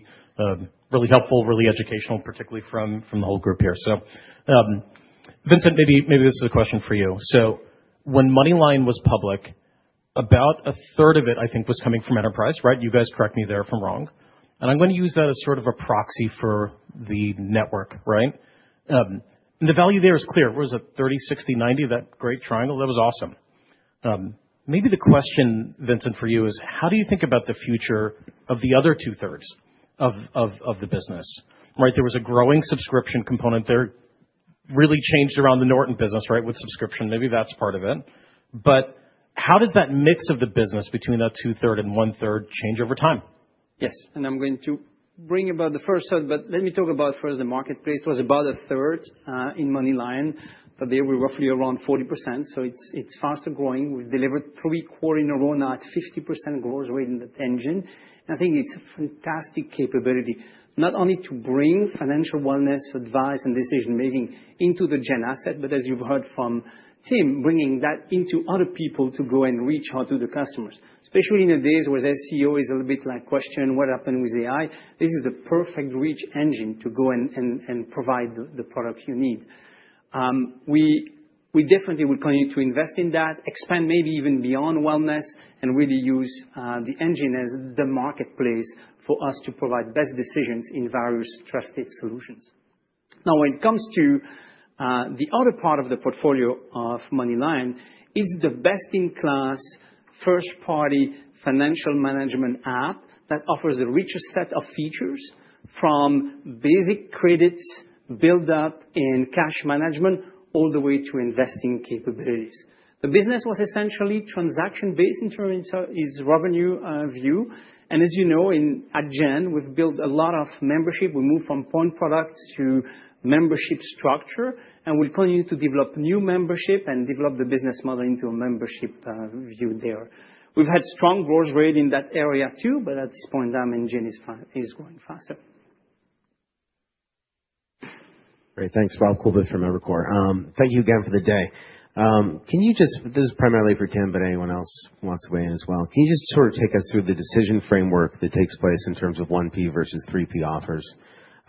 helpful, really educational, particularly from the whole group here. Vincent, maybe this is a question for you. So when Moneyline was public, about a third of it, I think, was coming from enterprise, right? You guys correct me there if I'm wrong. And I'm going to use that as sort of a proxy for the network, right? And the value there is clear. It was a thirty, sixty, 90, that great triangle. That was awesome. Maybe the question, Vincent, for you is how do you think about the future of the other two thirds of the business, right? There was a growing subscription component there really changed around the Norton business, right, with subscription. Maybe that's part of it. But how does that mix of the business between that twothree and onethree change over time? Yes. And I'm going to bring about the first onethree, but let me talk about first the marketplace. It was about onethree in MoneyLion, but they were roughly around 40%. So it's faster growing. We've delivered threefour in a row now at 50% growth rate in the engine. I think it's a fantastic capability, not only to bring financial wellness advice and decision making into the Gen asset, but as you've heard from Tim, bringing that into other people to go and reach out to the customers. Especially in the days where the SEO is a little bit like question, what happened with AI? This is the perfect reach engine to go and provide the product you need. We definitely will continue to invest in that, expand maybe even beyond wellness and really use the engine as the marketplace for us to provide best decisions in various trusted solutions. Now when it comes to the other part of the portfolio of MoneyLion, it's the best in class first party financial management app that offers the richest set of features from basic credits, build up in cash management all the way to investing capabilities. The business was essentially transaction based in terms of its revenue view. And as you know, in Adyen, we've built a lot of membership. We moved from point products to membership structure, and we'll continue to develop new membership and develop the business model into membership view there. We've had strong growth rate in that area, too. But at this point, DiamondGen is growing faster. Thanks. Bob Kulbith from Evercore. Thank you again for the day. Can you just this is primarily for Tim, but anyone else wants to weigh in as well. Can you just sort of take us through the decision framework that takes place in terms of 1P versus 3P offers,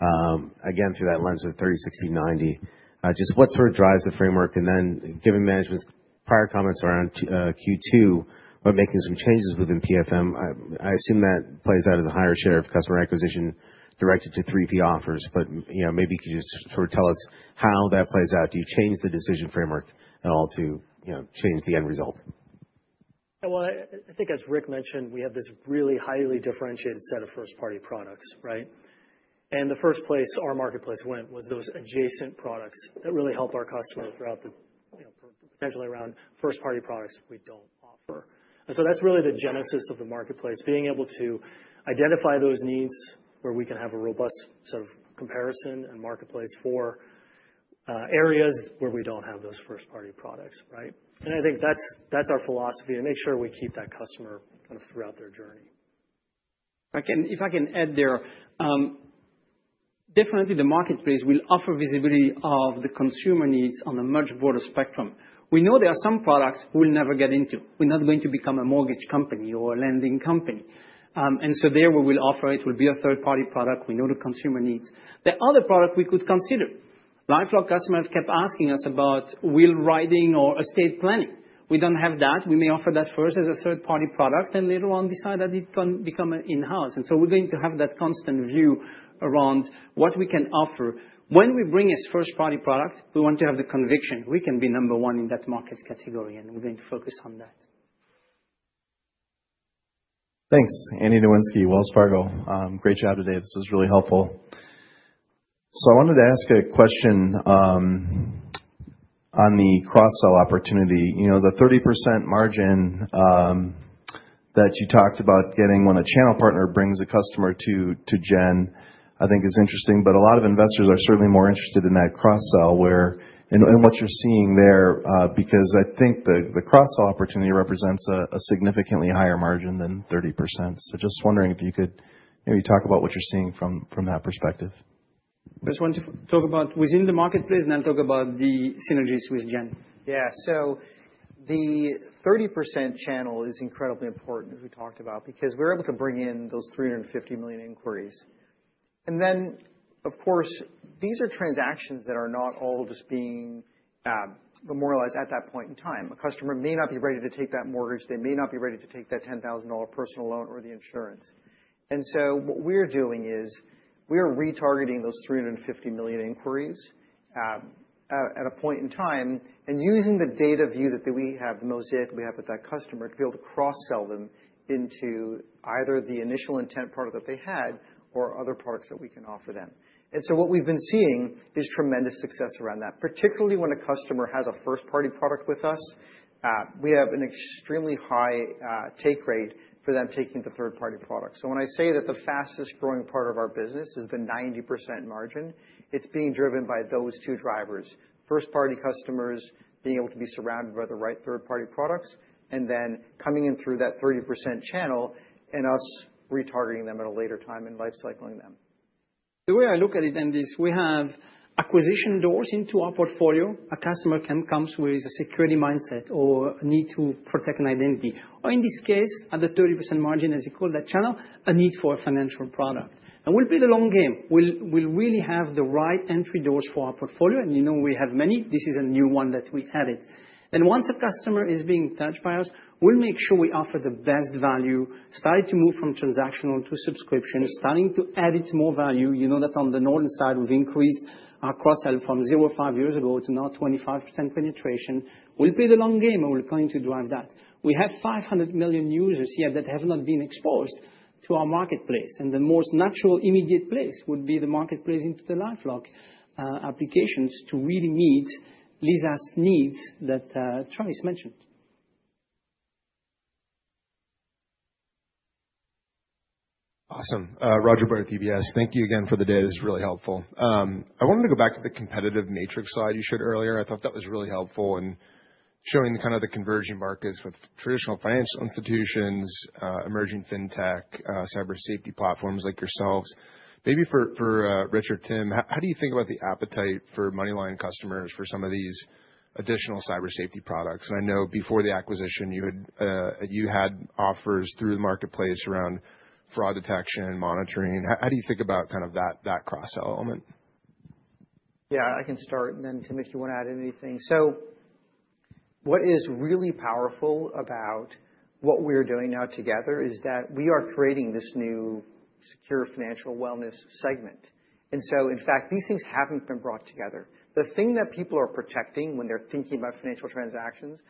again, through that lens of thirty-sixty-ninety? Just what sort of drives the framework? And then given management's prior comments around Q2, we're making some changes within PFM. I assume that plays out as a higher share of customer acquisition directed to 3P offers. But maybe could you just sort of tell us how that plays out? Do you change the decision framework at all to change the end result? Well, I think as Rick mentioned, we have this really highly differentiated set of first party products, right? And the first place our marketplace went was those adjacent products that really help our customer throughout potentially around first party products we don't offer. And so that's really the genesis of the marketplace, being able to identify those needs where we can have a robust sort of comparison and marketplace for areas where we don't have those first party products, right? And I think that's our philosophy to make sure we keep that customer kind of throughout their journey. If I can add there, definitely, the marketplace will offer visibility of the consumer needs on a much broader spectrum. We know there are some products we'll never get into. We're not going to become a mortgage company or a lending company. And so there, we will offer it. It will be a third party product. We know the consumer needs. The other product we could consider. LifeLock customers kept asking us about wheel riding or estate planning. We don't have that. We may offer that first as a third party product and later on decide that it can become an in house. And so we're going to have that constant view around what we can offer. When we bring as first party product, we want to have the conviction. We can be number one in that market category, and we're going to focus on that. Andy Nowinski, Wells Fargo. Great job today. This is really helpful. So I wanted to ask a question on the cross sell opportunity. The 30% margin that you talked about getting when a channel partner brings a customer to Gen, I think, is interesting. But a lot of investors are certainly more interested in that cross sell where and what you're seeing there because I think the cross sell opportunity represents a significantly higher margin than 30%. So just wondering if you could maybe talk about what you're seeing from that perspective. I just want to talk about within the marketplace and then talk about the synergies with Gen. Yes. So the 30% channel is incredibly important, as we talked about, because we're able to bring in those three fifty million inquiries. And then, of course, these are transactions that are not all just being memorialized at that point in time. A customer may not be ready to take that mortgage. They may not be ready to take that $10,000 personal loan or the insurance. And so what we're doing is we are retargeting those three fifty million inquiries at a point in time and using the data view that we have most likely have with that customer to be able to cross sell them into either the initial intent product that they had or other products that can offer them. And so what we've been seeing is tremendous success around that, particularly when a customer has a first party product with us. We have an extremely high take rate for them taking the third party product. So when I say that the fastest growing part of our business is the 90% margin, it's being driven by those two drivers: first party customers being able to be surrounded by the right third party products and then coming in through that 30% channel and us retargeting them at a later time and life cycling them. The way I look at it, Andy, is we have acquisition doors into our portfolio. A customer comes with a security mindset or need to protect an identity. Or in this case, at the 30% margin, as you call that channel, a need for a financial product. And we'll play the long game. We'll really have the right entry doors for our portfolio, and you know we have many. This is a new one that we added. And once a customer is being touched by us, we'll make sure we offer the best value, starting to move from transactional to subscription, starting to add it more value. You know that on the Northern side, we've increased our cross sell from zero, five years ago to now 25% penetration. We'll play the long game, and we're planning to drive that. We have 500,000,000 users here that have not been exposed to our marketplace. And the most natural immediate place would be the marketplace into the LifeLock applications to really meet Liza's needs that Trace mentioned. Awesome. Roger Boire with UBS. Thank you again for the data. It's really helpful. I wanted to go back to the competitive matrix slide you shared earlier. I thought that was really helpful in showing kind of the converging markets with traditional financial institutions, emerging fintech, cyber safety platforms like yourselves. Maybe for Rich or Tim, how do you think about the appetite for MoneyLion customers for some of these additional cyber safety products? And I know before the acquisition, you had offers through the marketplace around fraud detection and monitoring. How do you think about kind of that cross sell element? Yes. I can start. And then, Tim, if you want to add anything. So what is really powerful about what we are doing now together is that we are creating this new secure financial wellness segment. And so in fact, these things haven't been brought together. The thing that people are protecting when they're thinking about financial transactions,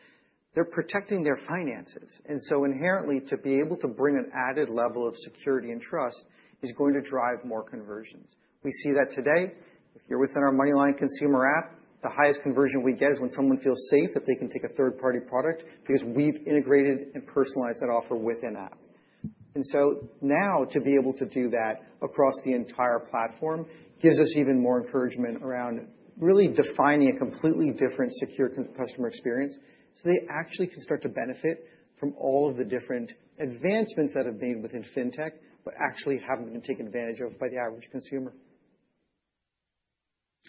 they're protecting their finances. And so inherently, to be able to bring an added level of security and trust is going to drive more conversions. We see that today. If you're within our MoneyLion consumer app, the highest conversion we get is when someone feels safe that they can take a third party product because we've integrated and personalized that offer with an app. And so now to be able to do that across the entire platform gives us even more encouragement around really defining a completely different secure customer experience so they actually can start to benefit from all of the different advancements that have been within FinTech but actually haven't been taken advantage of by the average consumer.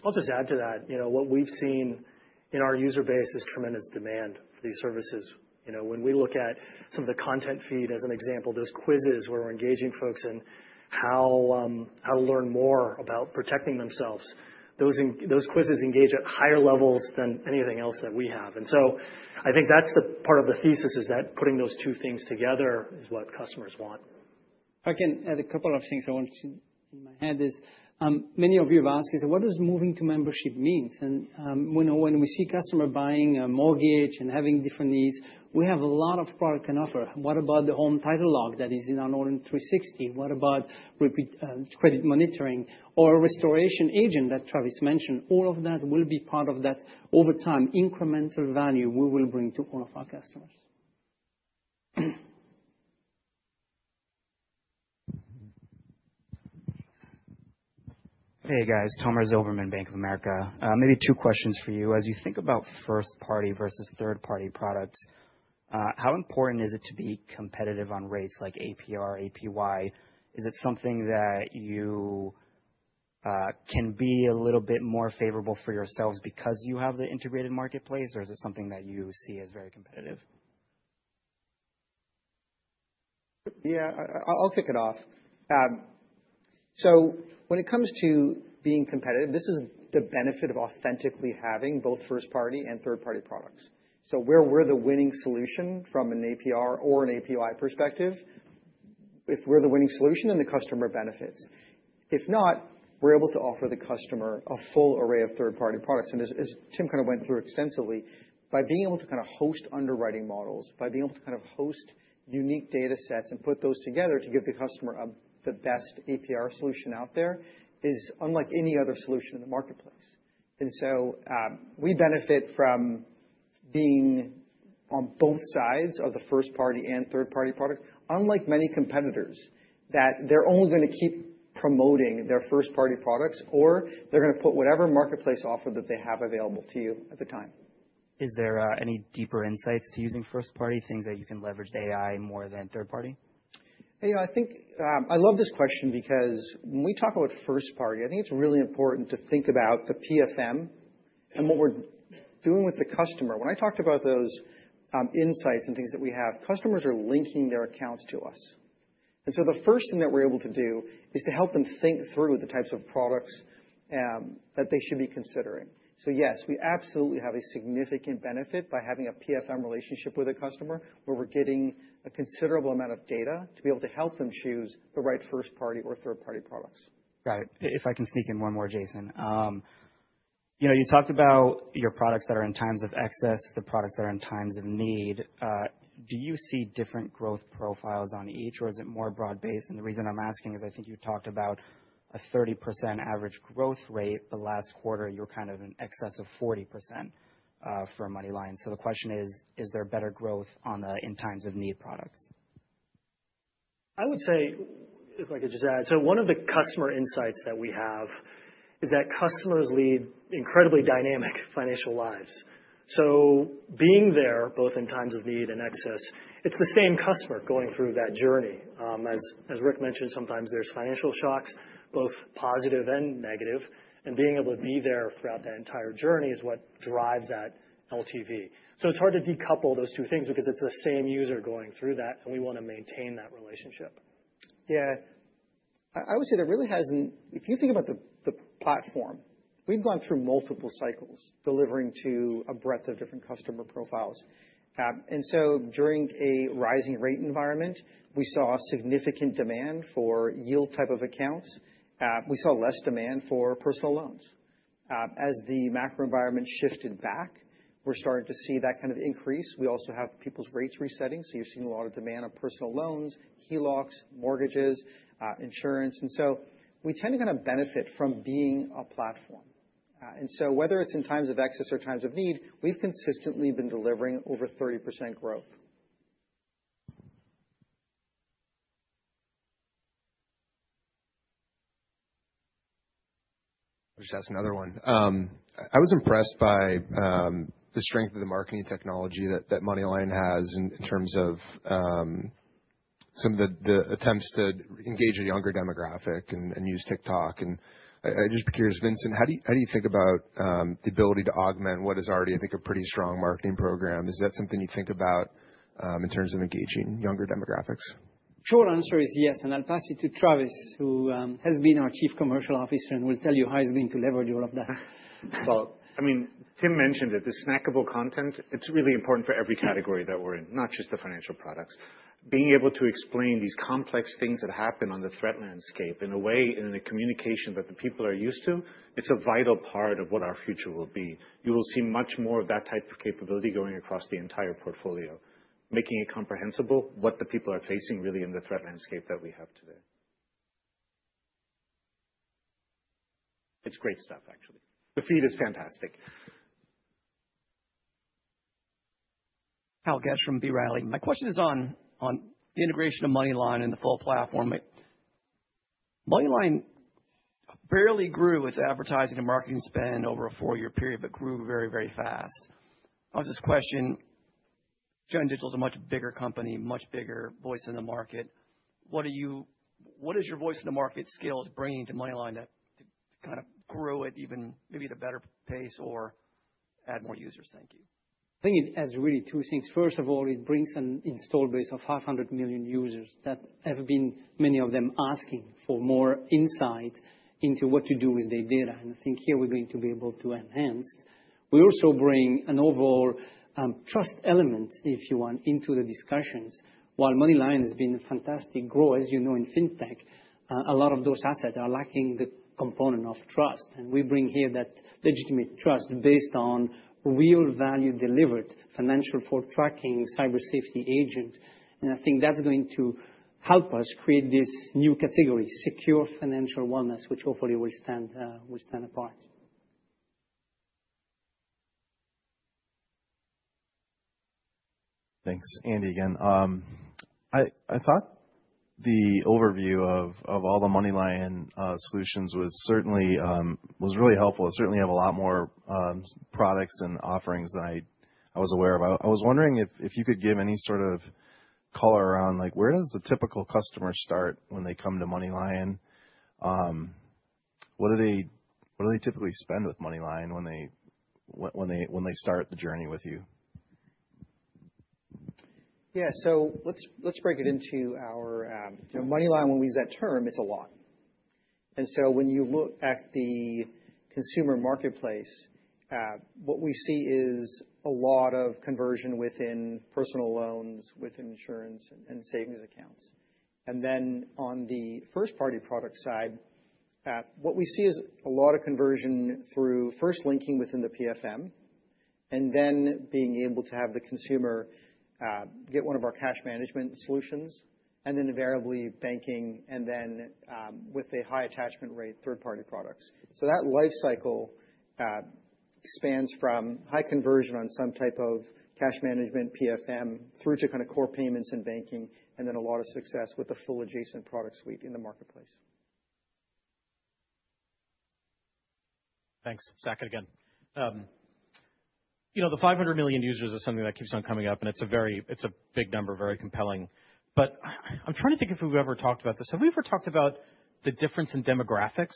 I'll just add to that. What we've seen in our user base is tremendous demand for these services. When we look at some of the content feed as an example, there's quizzes where we're engaging folks in how to learn more about protecting themselves. Those quizzes engage at higher levels than anything else that we have. And so I think that's the part of the thesis is that putting those two things together is what customers want. I can add a couple of things I wanted to in my head is, many of you have asked is what does moving to membership means? And when we see customer buying a mortgage and having different needs, we have a lot of product can offer. What about the home title lock that is in our Northern 360? What about credit monitoring? Or a restoration agent that Travis mentioned, all of that will be part of that over time incremental value we will bring to all of our customers. Tomer Zilberman, Bank of America. Maybe two questions for you. As you think about first party versus third party products, how important is it to be competitive on rates like APR, APY? Is it something that you can be a little bit more favorable for yourselves because you have the integrated marketplace? Or is it something that you see as very competitive? Yes, I'll kick it off. So when it comes to being competitive, this is the benefit of authentically having both first party and third party products. So where we're the winning solution from an APR or an API perspective, if we're the winning solution, then the customer benefits. If not, we're able to offer the customer a full array of third party products. And as Tim kind of went through extensively, by being able to kind of host underwriting models, being able to kind of host unique data sets and put those together to give the customer the best APR solution out there is unlike any other solution in the marketplace. And so we benefit from being on both sides of the first party and third party products, unlike many competitors that they're only going to keep promoting their first party products or they're going to put whatever marketplace offer that they have available to you at the time. Is there any deeper insights to using first party things that you can leverage AI more than third party? I think I love this question because when we talk about first party, think it's really important to think about the PFM and what we're doing with the customer. When I talked about those insights and things that we have, customers are linking their accounts to us. And so the first thing that we're able to do is to help them think through the types of products that they should be considering. So yes, we absolutely have a significant benefit by having a PFM relationship with a customer where we're getting a considerable amount of data to be able to help them choose the right first party or third party products. Got it. If I can sneak in one more, Jason. You talked about your products that are in times of excess, the products that are in times of need. Do you see different growth profiles on each? Or is it more broad based? And the reason I'm asking is I think you talked about a 30% average growth rate. The last quarter, you're kind of in excess of 40% for Moneyline. So the question is, is there better growth on the in times of need products? I would say, if I could just add, so one of the customer insights that we have is that customers lead incredibly dynamic financial lives. So being there both in times of need and excess, it's the same customer going through that journey. As Rick mentioned, sometimes there's financial shocks, both positive and negative. And being able to be there throughout that entire journey is what drives that LTV. So it's hard to decouple those two things because it's the same user going through that and we want to maintain that relationship. Yes. I would say there really hasn't if you think about the platform, we've gone through multiple cycles delivering to a breadth of different customer profiles. And so during a rising rate environment, we saw significant demand for yield type of accounts. We saw less demand for personal loans. As the macro environment shifted back, we're starting to see that kind of increase. We also have people's rates resetting. So you've seen a lot of demand on personal loans, HELOCs, mortgages, insurance. And so we tend to kind of benefit from being a platform. And so whether it's in times of excess or times of need, we've consistently been delivering over 30% growth. I'll just ask another one. I was impressed by the strength of the marketing technology that Moneyline has in terms of some of the attempts to engage a younger demographic and use TikTok. And I'm just curious, Vincent, how do you think about the ability to augment what is already, I think, a pretty strong marketing program? Is that something you think about in terms of engaging younger demographics? Short answer is yes. And I'll pass it to Travis, who has been our Chief Commercial Officer and will tell you how he's been to leverage all of that. Well, I mean, Tim mentioned that the snackable content, it's really important for every category that we're in, not just the financial products. Being able to explain these complex things that happen on the threat landscape in a way and in a communication that the people are used to, it's a vital part of what our future will be. You will see much more of that type of capability going across the entire portfolio, making it comprehensible what the people are facing really in the threat landscape that we have today. It's great stuff, actually. The feed is fantastic. Hal Gesh from B. Riley. My question is on the integration of MoneyLion and the full platform. Moneyline barely grew its advertising and marketing spend over a four year period, but grew very, very fast. I was just a question, Gen Digital is a much bigger company, much bigger voice in the market. What are you what is your voice in the market scale is bringing to MoneyLion to kind of grow it even maybe at a better pace or add more users? Thank you. I think it has really two things. First of all, it brings an installed base of 500,000,000 users. That have been many of them asking for more insight into what to do with their data. And I think here, we're going to be able to enhance. We also bring an overall trust element, if you want, into the discussions. While MoneyLion has been a fantastic grower, as you know, in fintech, a lot of those assets are lacking the component of trust. And we bring here that legitimate trust based on real value delivered financial for tracking cyber safety agent. I think that's going to help us create this new category, secure financial wellness, which hopefully will stand apart. Thanks. Andy again. I thought the overview of all the MoneyLion solutions was certainly was really helpful. It certainly have a lot more products and offerings I was wondering if you could give any sort of color around like where does the typical customer start when they come to MoneyLion? What do they typically spend with MoneyLion when they start the journey with you? Yes. So let's break it into our so MoneyLion, when we use that term, it's a lot. And so when you look at the consumer marketplace, what we see is a lot of conversion within personal loans, with insurance and savings accounts. And then on the first party product side, what we see is a lot of conversion through first linking within the PFM and then being able to have the consumer get one of our cash management solutions and invariably banking and then with a high attachment rate third party products. So that life cycle spans from high conversion on some type of cash management, PFM, through to kind of core payments and banking and then a lot of success with the full adjacent product suite in the marketplace. Saket again. The 500,000,000 users are something that keeps on coming up, and it's a very it's a big number, very compelling. But I'm trying to think if we've ever talked about this. Have we ever talked about the difference in demographics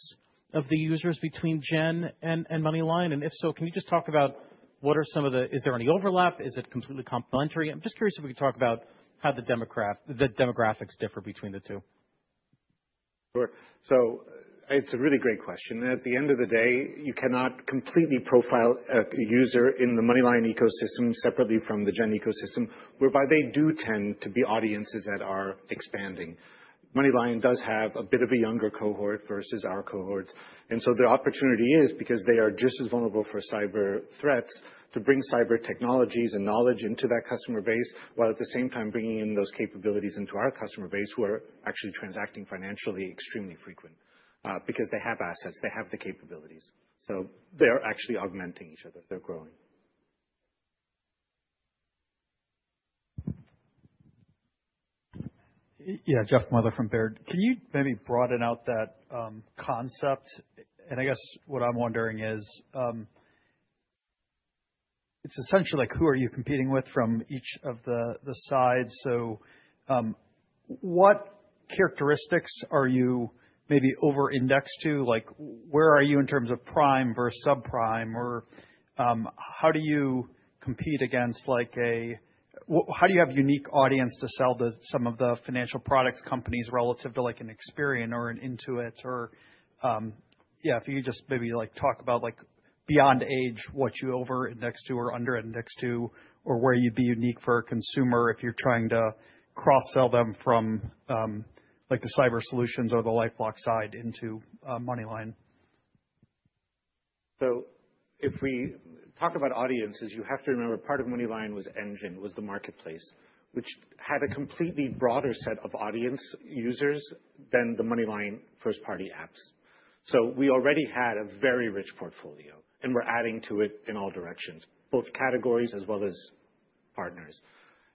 of the users between Gen and Moneyline? And if so, can you just talk about what are some of the is there any overlap? Is it completely complementary? I'm just curious if we could talk about how the demographics differ between the two. Sure. So it's a really great question. At the end of the day, you cannot completely profile a user in the MoneyLion ecosystem separately from the Gen ecosystem, whereby they do tend to be audiences that are expanding. MoneyLion does have a bit of a younger cohort versus our cohorts. And so the opportunity is because they are just as vulnerable for cyber threats to bring cyber technologies and knowledge into that customer base, while at the same time bringing in those capabilities into our customer base who transacting financially extremely frequent because they have assets, they have the capabilities. So they are actually augmenting each other. They're growing. Jeff Mother from Baird. Can you maybe broaden out that concept? And I guess what I'm wondering is, it's essentially like who are you competing with from each of the sides. So what characteristics are you maybe over indexed to? Like where are you in terms of prime versus subprime? Or how do you compete against like a how do you have unique audience to sell to some of the financial products companies relative to like an Experian or an Intuit? Or yes, if you could just maybe like talk about like beyond age, what you over indexed to or under indexed to or where you'd be unique for a consumer if you're trying to cross sell them from like the cyber solutions or the LifeLock side into Moneyline? So if we talk about audiences, you have to remember part of MoneyLion was engine, was the marketplace, which had a completely broader set of audience users than the MoneyLion first party apps. So we already had a very rich portfolio, and we're adding to it in all directions, both categories as well as partners.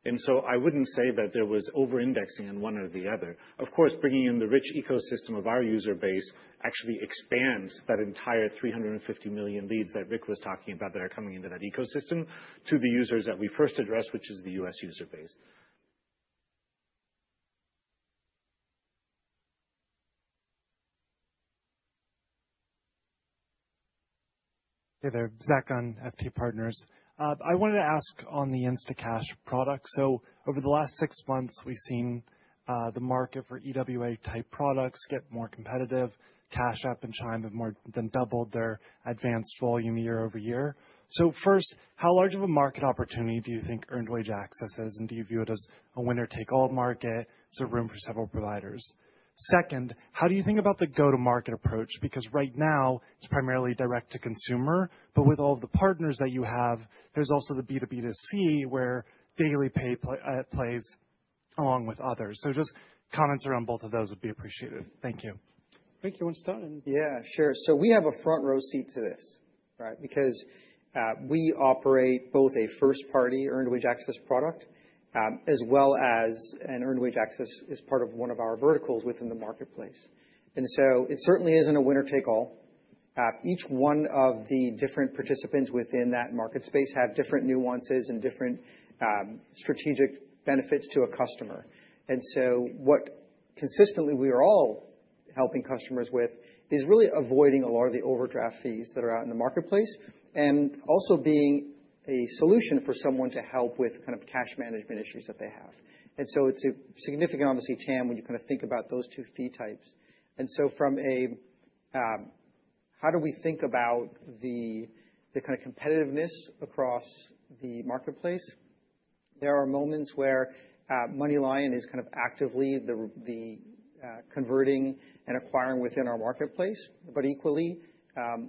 And so I wouldn't say that there was over indexing in one or the other. Of course, bringing in the rich ecosystem of our user base actually expands that entire three fifty million leads that Rick was talking about that are coming into that ecosystem to the users that we first addressed, which is The U. S. User base. Zach Gunn, Feet Partners. I wanted to ask on the Instacash product. So over the last six months, we've seen the market for EWA type products get more competitive. Cash App and Chime have more than doubled their advanced volume year over year. So first, how large of a market opportunity do you think earned wage access is? And do you view it as a winner take all market? Is there room for several providers? Second, how do you think about the go to market approach? Because right now, it's primarily direct to consumer. But with all of the partners that you have, there's also the B2B2C where daily pay plays along with others. So just comments around both of those would be appreciated. Thank you. Sure. So we have a front row seat to this, right, because we operate both a first party earned wage access product as well as an earned wage access is part of one of our verticals within the marketplace. And so it certainly isn't a winner take all. Each one of the different participants within that market space have different nuances and different strategic benefits to a customer. And so what consistently we are all helping customers with is really avoiding a lot of the overdraft fees that are out in the marketplace and also being a solution for someone to help with kind of cash management issues that they have. And so it's a significant, obviously, TAM, when you kind of think about those two fee types. And so from a how do we think about the kind of competitiveness across the marketplace? There are moments where MoneyLion is kind of actively the converting and acquiring within our marketplace. But equally,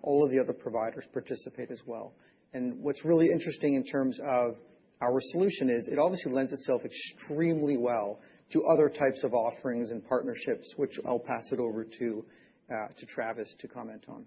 all of the other providers participate as well. And what's really interesting in terms of our solution is it obviously lends itself extremely well to other types of offerings and partnerships, which I'll pass it over to Travis to comment on.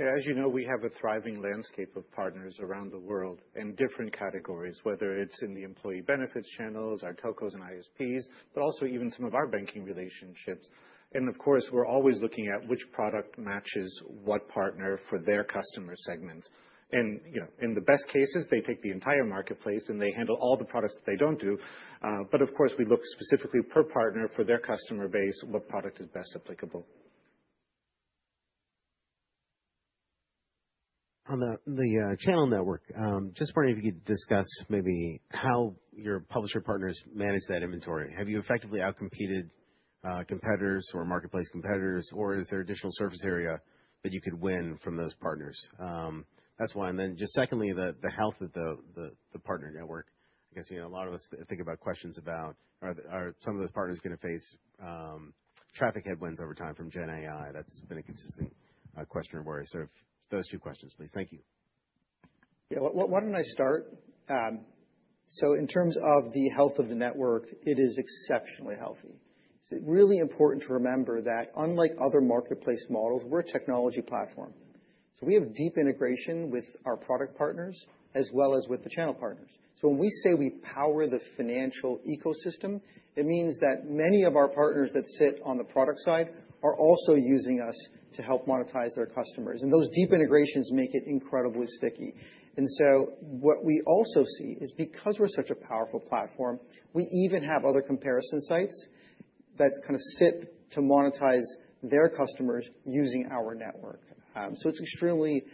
As you know, we have a thriving landscape of partners around the world in different categories, whether it's in the employee benefits channels, our telcos and ISPs, but also even some of our banking relationships. And of course, we're always looking at which product matches what partner for their customer segments. And in the best cases, they take the entire marketplace and they handle all the products that they don't do. But of course, we look specifically per partner for their customer base, what product is best applicable. On the channel network, just wondering if you could discuss maybe how your publisher partners manage that inventory. Have you effectively outcompeted competitors or marketplace competitors? Or is there additional surface area that you could win from those partners? That's one. And then just secondly, the health of the partner network. I guess a lot of us think about questions about are some of those partners going to face traffic headwinds over time from Gen AI? That's been a consistent question of worries. So those two questions, please. Thank you. Yes. Why don't I start? So in terms of the health of the network, it is exceptionally healthy. It's really important to remember that unlike other marketplace models, we're a technology platform. We have deep integration with our product partners, as well as with the channel partners. So when we say we power the financial ecosystem, it means that many of our partners that sit on the product side are also using us to help monetize their customers. And those deep integrations make it incredibly sticky. And so what we also see is because we're such a powerful platform, we even have other comparison sites that's kind of sit to monetize their customers using our network. So it's extremely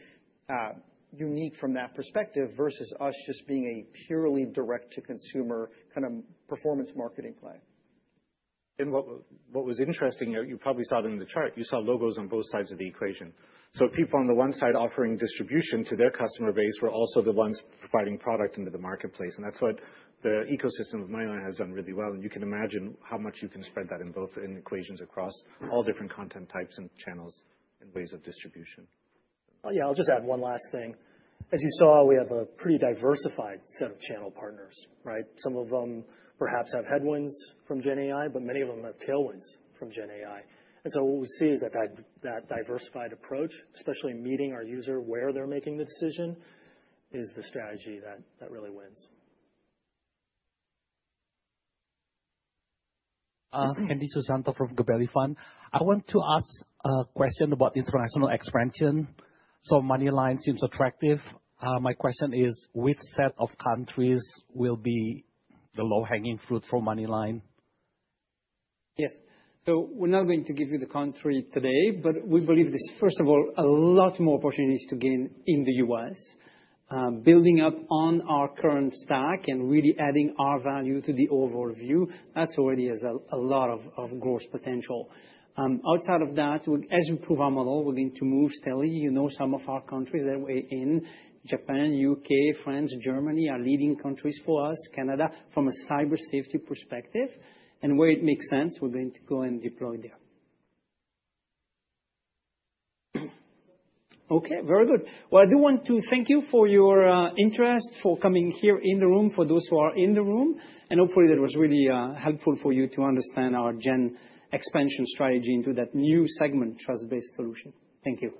unique from that perspective versus us just being a purely direct to consumer kind of performance marketing play. And what was interesting, you probably saw it in the chart, you saw logos on both sides of the equation. So people on the one side offering distribution to their customer base were also the ones providing product into the marketplace. And that's what the ecosystem of My Owner has done really well. And you can imagine how much you can spread that in both in equations across all different content types and channels in ways of distribution. Yes, I'll just add one last thing. As you saw, we have a pretty diversified set of channel partners, right? Some of them perhaps have headwinds from Gen AI, but many of them have tailwinds from Gen AI. And so what we see is that diversified approach, especially meeting our user where they're making the decision is the strategy that really wins. And this is Santo from Gabelli Fund. I want to ask a question about international expansion. So Moneyline seems attractive. My question is which set of countries will be the low hanging fruit for MoneyLion? Yes. So we're not going to give you the country today, but we believe this, first of all, a lot more opportunities to gain in The U. S. Building up on our current stack and really adding our value to the overall view, that already has a lot of growth potential. Outside of that, as we improve our model, we're going to move steadily. You know some of our countries that we're in. Japan, UK, France, Germany are leading countries for us, Canada, from a cyber safety perspective. And where it makes sense, we're going to go and deploy there. Okay. Very good. Well, I do want to thank you for your interest, for coming here in the room, for those who are in the room. And hopefully, that was really helpful for you to understand our Gen expansion strategy into that new segment, trust based solution. Thank you.